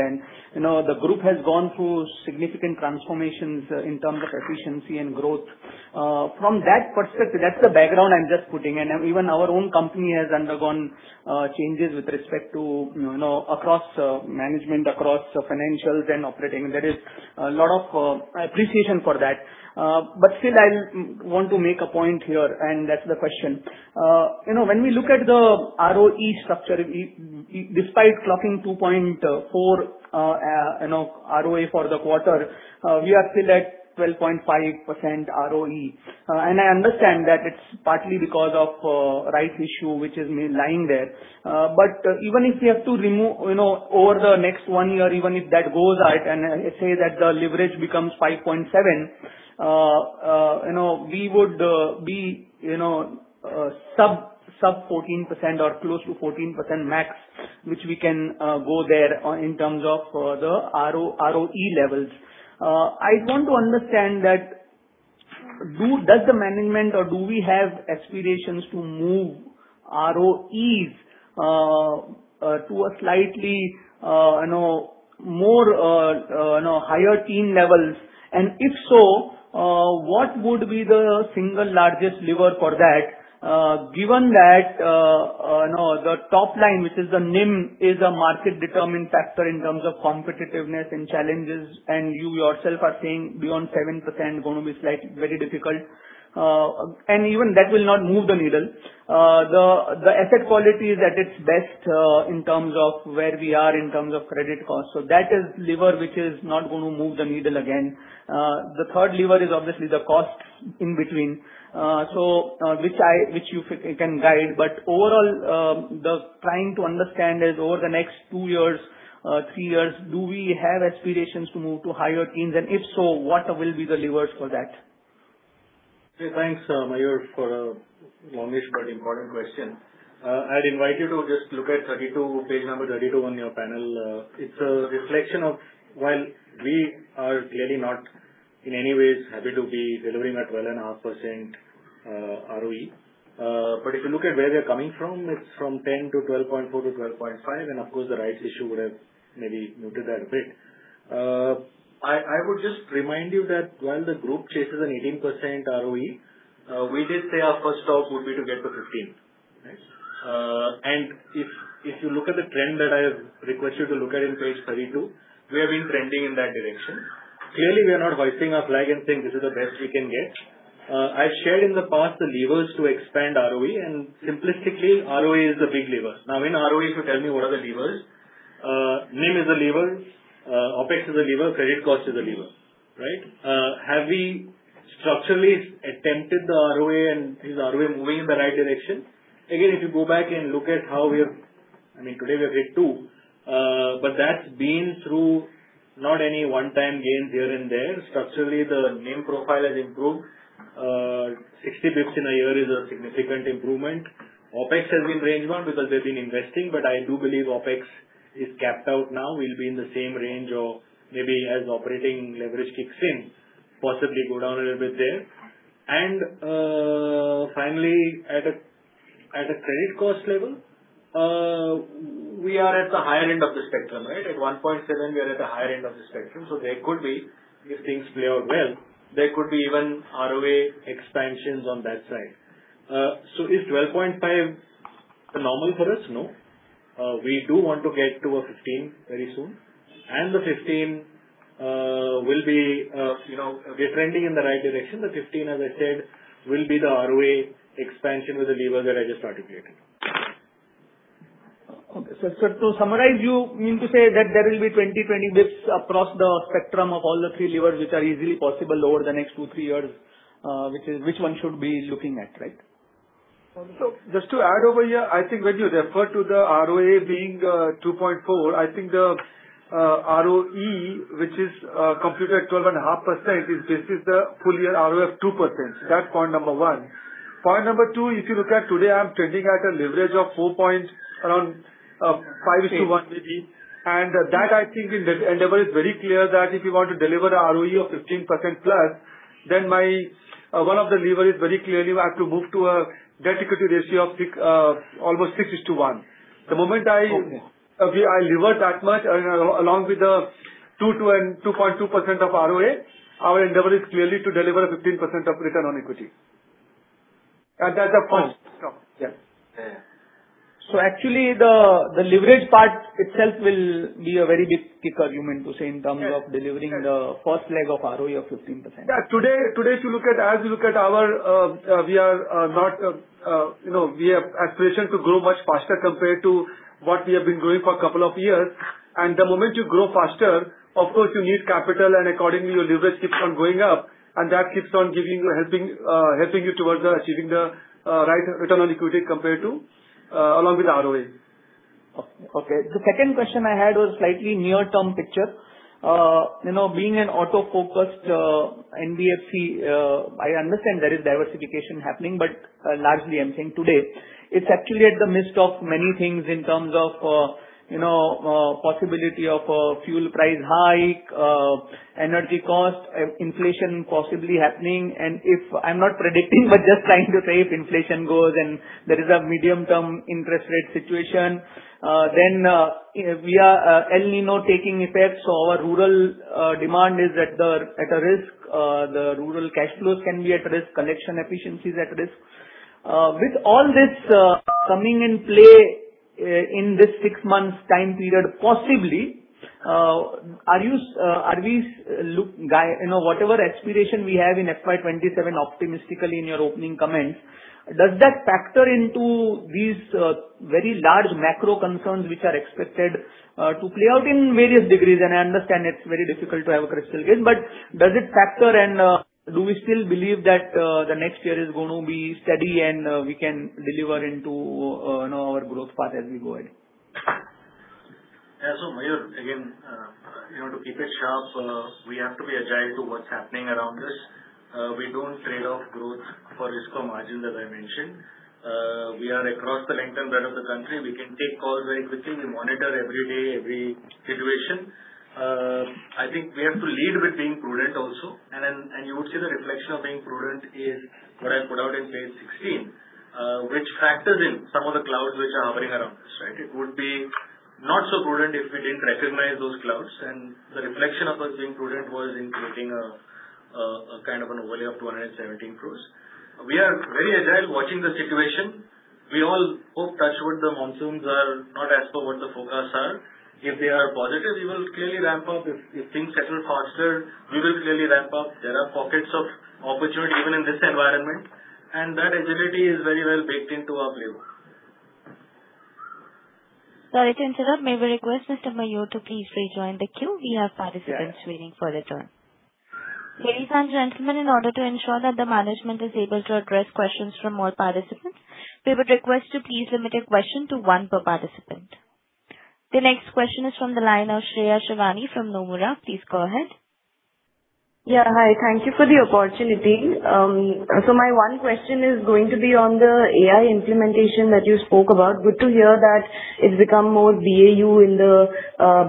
The group has gone through significant transformations in terms of efficiency and growth. From that perspective, that's the background I'm just putting. Even our own company has undergone changes with respect to across management, across financials and operating. There is a lot of appreciation for that. Still, I want to make a point here, and that's the question. When we look at the ROE structure, despite clocking 2.4 ROA for the quarter, we are still at 12.5% ROE. I understand that it's partly because of rice issue, which is lying there. But even if we have to remove over the next one year, even if that goes out and say that the leverage becomes 5.7, we would be sub 14% or close to 14% max, which we can go there in terms of the ROE levels. I want to understand that does the management or do we have aspirations to move ROEs to a slightly more higher teen levels? If so, what would be the single largest lever for that, given that the top line, which is the NIM, is a market-determined factor in terms of competitiveness and challenges, and you yourself are saying beyond 7% going to be very difficult. Even that will not move the needle. The asset quality is at its best in terms of where we are in terms of credit cost. That is lever which is not going to move the needle again. The third lever is obviously the cost in between, which you can guide. Overall, trying to understand is over the next two years, three years, do we have aspirations to move to higher teens? If so, what will be the levers for that? Thanks, Mayur, for the longish but important question. I'd invite you to just look at page number 32 on your panel. It's a reflection of while we are clearly not in any ways happy to be delivering at 12.5% ROE. If you look at where we're coming from, it's from 10% to 12.4% to 12.5%, and of course, the rights issue would have maybe muted that a bit. I would just remind you that while the group chases an 18% ROE, we did say our first stop would be to get to 15%. Right? If you look at the trend that I have requested to look at on page 32, we have been trending in that direction. Clearly, we are not hoisting our flag and saying this is the best we can get. I've shared in the past the levers to expand ROE, and simplistically, ROE is the big lever. Now in ROE, if you tell me what are the levers? NIM is a lever, OpEx is a lever, credit cost is a lever. Right? Have we structurally attempted the ROE and is ROA moving in the right direction? Again, if you go back and look at how we have, today we are at two, but that's been through not any one-time gain here and there. Structurally, the NIM profile has improved. 60 basis points in a year is a significant improvement. OpEx has been range bound because we've been investing, but I do believe OpEx is capped out now. We'll be in the same range of maybe as operating leverage kicks in, possibly go down a little bit there. Finally, at a credit cost level, we are at the higher end of the spectrum. At 1.7, we are at the higher end of the spectrum. If things play out well, there could be even ROA expansions on that side. Is 12.5% normal for us? No. We do want to get to a 15% very soon, and the 15% will be trending in the right direction. The 15%, as I said, will be the ROA expansion with the levers that I just articulated. Okay. To summarize, you mean to say that there will be 20 bps across the spectrum of all the three levers, which are easily possible over the next two, three years, which one should we be looking at, right? Just to add over here, I think when you refer to the ROA being 2.4, I think the ROE, which is computed at 12.5%, is based on the full year ROA of 2%. That's point number one. Point number two, if you look at today, I'm trending at a leverage of four to around 5:1 maybe, and that I think in that endeavor is very clear that if you want to deliver a ROE of 15%+, then one of the lever is very clearly we have to move to a debt equity ratio of almost 6:1. The moment I lever that much along with the 2.2% of ROA, our endeavor is clearly to deliver 15% of return on equity. That's a first step. Yeah. Yeah. Actually the leverage part itself will be a very big kicker, you mean to say, in terms of delivering the first leg of ROE of 15%. Yeah. Today, as we look at, we have aspiration to grow much faster compared to what we have been growing for a couple of years. The moment you grow faster, of course, you need capital, and accordingly, your leverage keeps on going up and that keeps on helping you towards achieving the right return on equity compared to along with the ROA. Okay. The second question I had was slightly near-term picture. Being an auto-focused NBFC, I understand there is diversification happening, but largely I'm saying today. It's actually at the midst of many things in terms of possibility of a fuel price hike, energy cost, inflation possibly happening, and if I'm not predicting, but just trying to say if inflation goes and there is a medium-term interest rate situation, then El Niño taking effect, so our rural demand is at risk. The rural cash flows can be at risk, collection efficiency is at risk. With all this coming in play in this six months time period, possibly, whatever aspiration we have in FY 2027 optimistically in your opening comments, does that factor into these very large macro concerns which are expected to play out in various degrees? I understand it's very difficult to have a crystal ball. Does it factor and do we still believe that the next year is going to be steady and we can deliver into our growth path as we go ahead? Yeah. Mayur, again, to keep it sharp, we have to be agile to what's happening around us. We don't trade off growth for risk or margin, as I mentioned. We are across the length and breadth of the country. We can take calls very quickly. We monitor every day, every situation. I think we have to lead with being prudent also. You would see the reflection of being prudent is what I put out in page 16, which factors in some of the clouds which are hovering around us. Right? It would be not so prudent if we didn't recognize those clouds, and the reflection of us being prudent was in creating a kind of an overlay of 217 crores. We are very agile watching the situation. We all hope, touch wood, the monsoons are not as per what the forecasts are. If they are positive, we will clearly ramp up. If things settle faster, we will clearly ramp up. There are pockets of opportunity even in this environment, and that agility is very well baked into our flavor. Sorry to interrupt. May we request Mr. Mayur to please rejoin the queue. We have participants waiting for their turn. Ladies and gentlemen, in order to ensure that the management is able to address questions from all participants, we would request to please limit a question to one per participant. The next question is from the line of Shreya Shivani from Nomura. Please go ahead. Yeah. Hi. Thank you for the opportunity. My one question is going to be on the AI implementation that you spoke about. Good to hear that it's become more BAU in the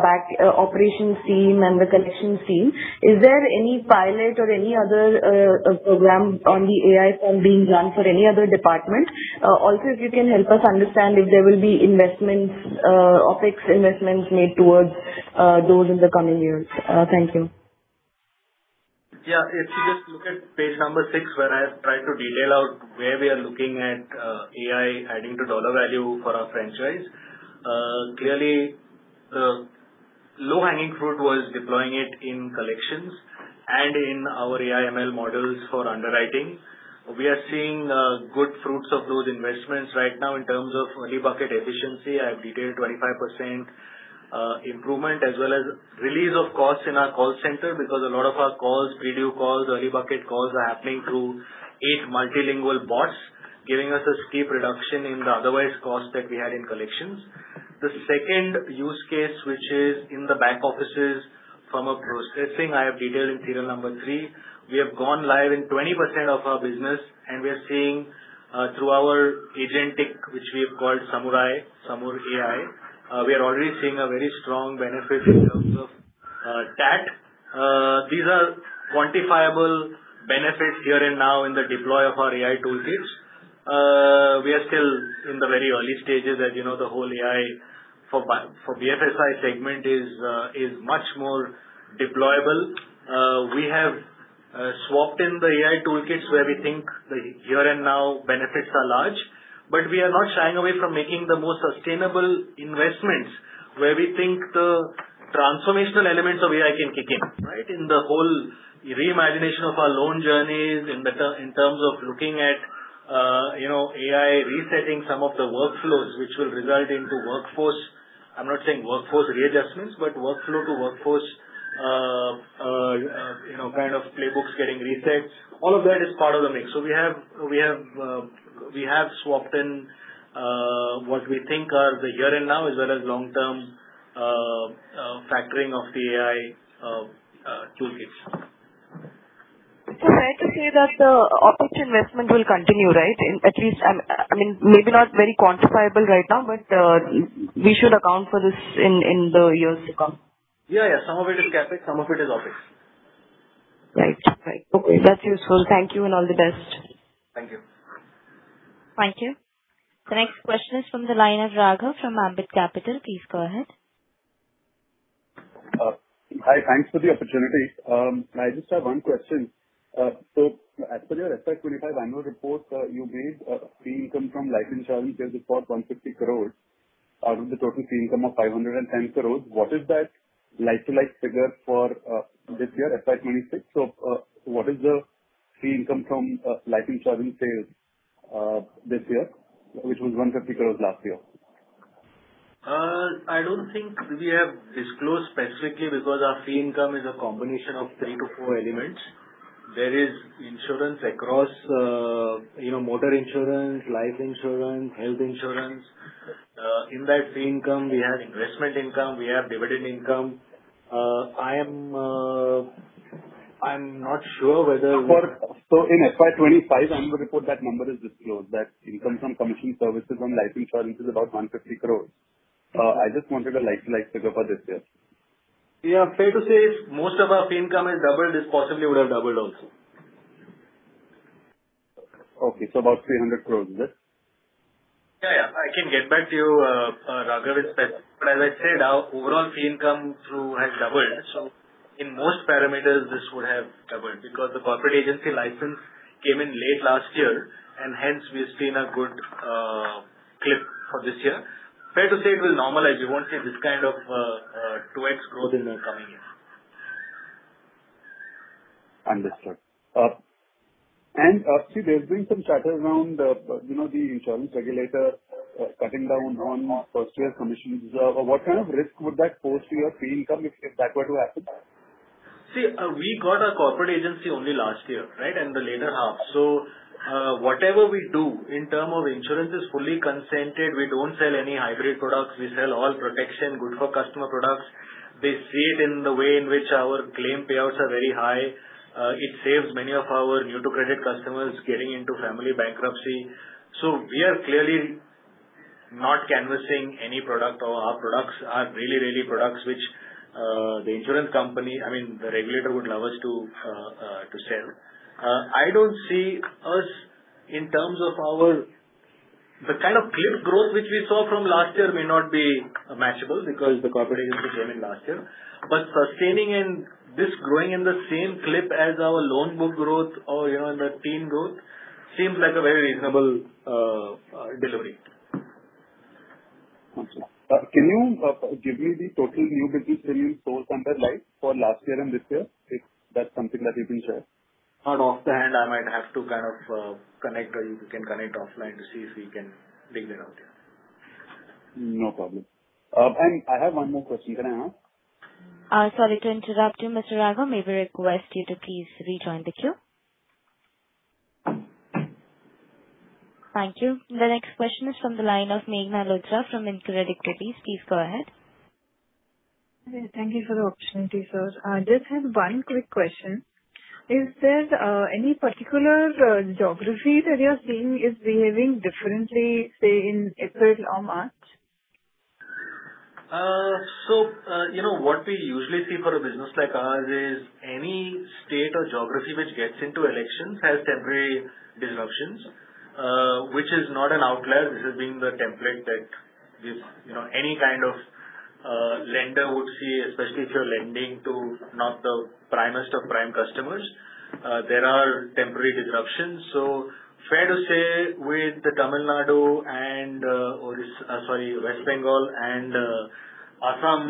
back operations team and the collections team. Is there any pilot or any other program on the AI front being run for any other department? Also, if you can help us understand if there will be OpEx investments made towards those in the coming years? Thank you. Yeah. If you just look at page number six, where I have tried to detail out where we are looking at AI adding to dollar value for our franchise. Clearly, the low-hanging fruit was deploying it in collections and in our AI/ML models for underwriting. We are seeing good fruits of those investments right now in terms of early bucket efficiency. I have detailed 25% improvement as well as release of costs in our call center because a lot of our calls, video calls, early bucket calls, are happening through eight multilingual bots, giving us a steep reduction in the otherwise cost that we had in collections. The second use case, which is in the back offices from a processing, I have detailed in serial number three. We have gone live in 20% of our business, and we are seeing through our agentic, which we have called SamarAI, we are already seeing a very strong benefit in terms of TAT. These are quantifiable benefits here and now in the deploy of our AI toolkits. We are still in the very early stages as the whole AI for BFSI segment is much more deployable. We have swapped in the AI toolkits where we think the here-and-now benefits are large, but we are not shying away from making the most sustainable investments where we think the transformational elements of AI can kick in. In the whole reimagination of our loan journeys, in terms of looking at AI resetting some of the workflows, which will result in the workforce, I'm not saying workforce readjustments, but workflow to workforce playbooks getting reset. All of that is part of the mix. We have swapped in what we think are the here and now as well as long-term factoring of the AI toolkits. Fair to say that the OpEx investment will continue, right? Maybe not very quantifiable right now, but we should account for this in the years to come. Yeah. Some of it is CapEx, some of it is OpEx. Right. Okay. That's useful. Thank you, and all the best. Thank you. Thank you. The next question is from the line of Raghav from Ambit Capital. Please go ahead. Hi. Thanks for the opportunity. I just have one question. As per your FY 2025 annual report, you raised fee income from life insurance sales of 150 crore out of the total fee income of 510 crore. What is that like-to-like figure for this year, FY 2026? What is the fee income from life insurance sales this year, which was INR 150 crore last year? I don't think we have disclosed specifically because our fee income is a combination of 3-4 elements. There is insurance across motor insurance, life insurance, health insurance. In that fee income, we have investment income, we have dividend income. I'm not sure whether. In FY 2025 annual report, that number is disclosed, that income from commission services on life insurance is about 150 crore. I just wanted a like-for-like figure for this year. Yeah. Fair to say if most of our fee income has doubled, this possibly would have doubled also. Okay, about 300 crore, is it? Yeah. I can get back to you, Raghav, with specific. As I said, our overall fee income through has doubled. In most parameters, this would have doubled because the corporate agency license came in late last year, and hence we have seen a good clip for this year. Fair to say it will normalize. You won't see this kind of 2x growth in the coming year. Understood. Raul, there's been some chatter around the insurance regulator cutting down on first-year commissions. What kind of risk would that pose to your fee income if that were to happen? See, we got a corporate agency only last year, right? In the latter half. Whatever we do in terms of insurance is fully consent-based. We don't sell any hybrid products. We sell all protection, good-for-customer products. They see it in the way in which our claim payouts are very high. It saves many of our new-to-credit customers getting into family bankruptcy. We are clearly not canvassing any product. Our products are really products which the insurance company, I mean, the regulator would love us to sell. I don't see us in terms of our. The kind of clear growth which we saw from last year may not be matchable because the corporate agency came in last year. Sustaining and its growing in the same clip as our loan book growth or in the team growth seems like a very reasonable delivery. Okay. Can you give me the total new business premium sourced under life for last year and this year, if that's something that you can share? Not offhand. I might have to connect. We can connect offline to see if we can bring that out, yeah. No problem. I have one more question. Can I ask? Sorry to interrupt you, Mr. Raghav. May we request you to please rejoin the queue? Thank you. The next question is from the line of Meghna Luthra from Incred Equities. Please go ahead. Thank you for the opportunity, sir. I just have one quick question. Is there any particular geography that you're seeing is behaving differently, say, in April or March? What we usually see for a business like ours is any state or geography which gets into elections has temporary disruptions, which is not an outlier. This has been the template that any kind of lender would see, especially if you're lending to not the primest of prime customers. There are temporary disruptions. Fair to say with the West Bengal and Assam,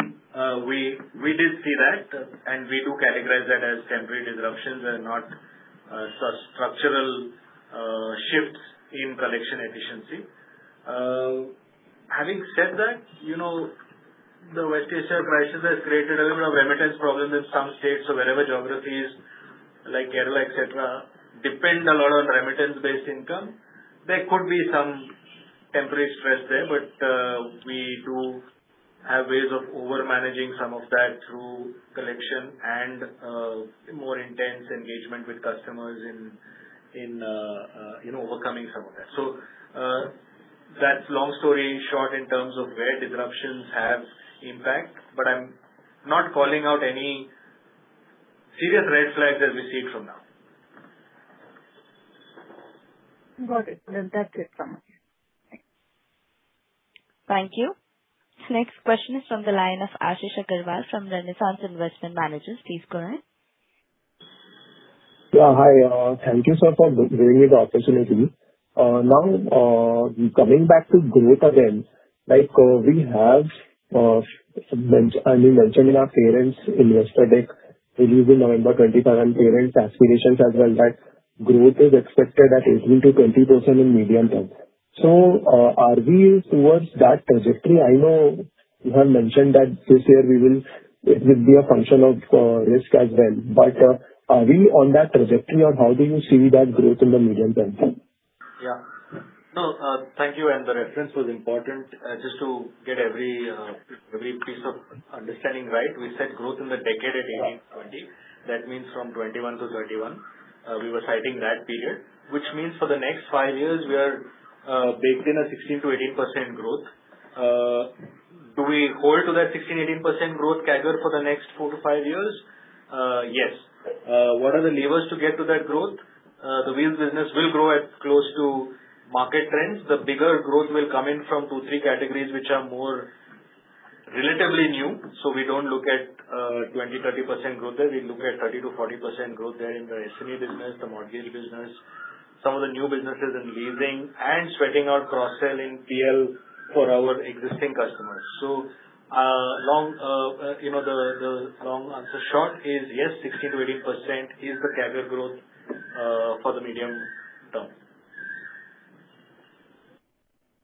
we did see that, and we do categorize that as temporary disruptions. They're not structural shifts in collection efficiency. Having said that, the West Asia crisis has created a lot of remittance problems in some states. Wherever geographies like Kerala, et cetera, depend a lot on remittance-based income, there could be some temporary stress there, but we do have ways of over-managing some of that through collection and more intense engagement with customers in overcoming some of that. That's long story short in terms of where disruptions have impact, but I'm not calling out any serious red flags that we see from now. Got it. That's it from me. Thanks. Thank you. Next question is from the line of Ashish Agarwal from Renaissance Investment Managers. Please go ahead. Yeah. Hi. Thank you, sir, for giving me the opportunity. Now, coming back to growth again, we have mentioned in our earnings investor deck released in November 2021, earnings aspirations as well, that growth is expected at 18%-20% in medium term. Are we towards that trajectory? I know you have mentioned that this year it will be a function of risk as well. Are we on that trajectory, or how do you see that growth in the medium term? Yeah. No, thank you. The reference was important. Just to get every piece of understanding right, we said growth in the decade ending 2020. That means from 2021 to 2031. We were citing that period, which means for the next five years, we are baked in a 16%-18% growth. Do we hold to that 16%-18% growth CAGR for the next four to five years? Yes. What are the levers to get to that growth? The Wheels business will grow at close to market trends. The bigger growth will come in from two, three categories, which are more relatively new. We don't look at 20%, 30% growth there. We look at 30%-40% growth there in the SME business, the mortgage business, some of the new businesses in leasing and sweating out cross-sell in PL for our existing customers. The long answer short is yes, 16%-18% is the CAGR growth for the medium term.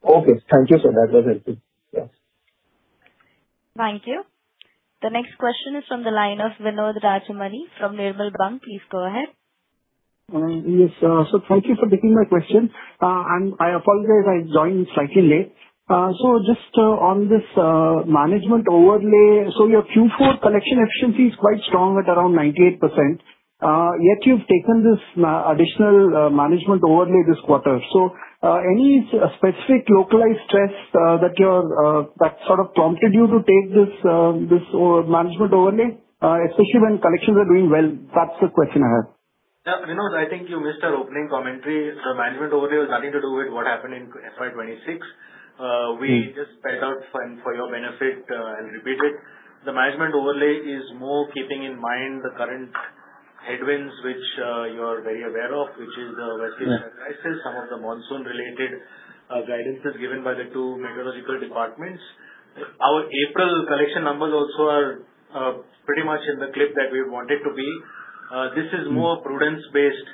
Okay. Thank you, sir. That was helpful. Yes. Thank you. The next question is from the line of Vinod Rajamani from Nirmal Bang. Please go ahead. Yes. Thank you for taking my question. I apologize, I joined slightly late. Just on this management overlay. Your Q4 collection efficiency is quite strong at around 98%, yet you've taken this additional management overlay this quarter. Any specific localized stress that sort of prompted you to take this management overlay, especially when collections are doing well? That's the question I have. Yeah. Vinod, I think you missed our opening commentary. The management overlay was nothing to do with what happened in FY 2026. Mm-hmm. We just spelled out for your benefit and repeat it. The management overlay is more keeping in mind the current headwinds, which you are very aware of, which is the West Asia crisis. Yeah. Some of the monsoon-related guidance is given by the two meteorological departments. Our April collection numbers also are pretty much in the clip that we want it to be. This is more prudence-based,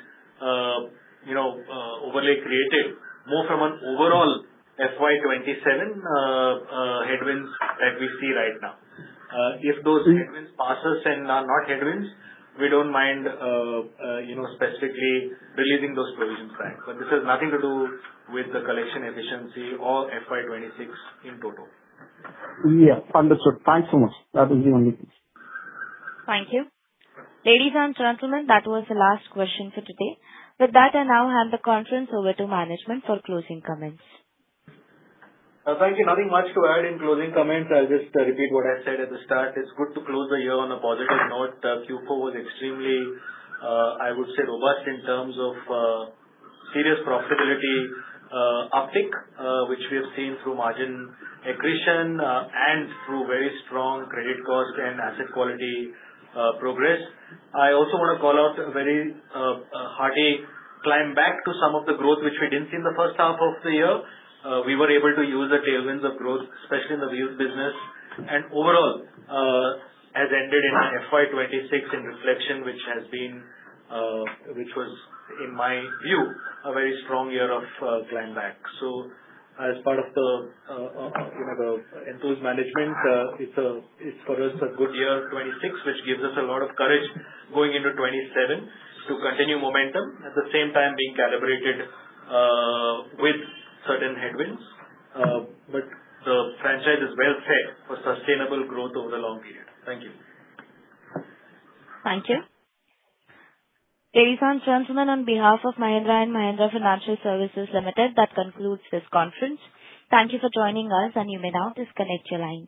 overly creative, more from an overall FY 2027 headwinds that we see right now. If those- Mm-hmm. If headwinds pass and are not headwinds, we don't mind specifically releasing those provisions back. This has nothing to do with the collection efficiency or FY 2026 in total. Yeah. Understood. Thanks so much. That is the only piece. Thank you. Ladies and gentlemen, that was the last question for today. With that, I now hand the conference over to management for closing comments. Thank you. Nothing much to add in closing comments. I'll just repeat what I said at the start. It's good to close the year on a positive note. Q4 was extremely, I would say, robust in terms of serious profitability uptick, which we have seen through margin accretion and through very strong credit cost and asset quality progress. I also want to call out a very hearty climb back to some of the growth which we didn't see in the first half of the year. We were able to use the tailwinds of growth, especially in the wheels business. Overall, as we ended FY 2026 in reflection, which was in my view, a very strong year of climb back As part of the enthused management, it's for us a good year 2026, which gives us a lot of courage going into 2027 to continue momentum, at the same time being calibrated with certain headwinds. The franchise is well set for sustainable growth over the long period. Thank you. Thank you. Ladies and gentlemen, on behalf of Mahindra & Mahindra Financial Services Limited, that concludes this conference. Thank you for joining us and you may now disconnect your line.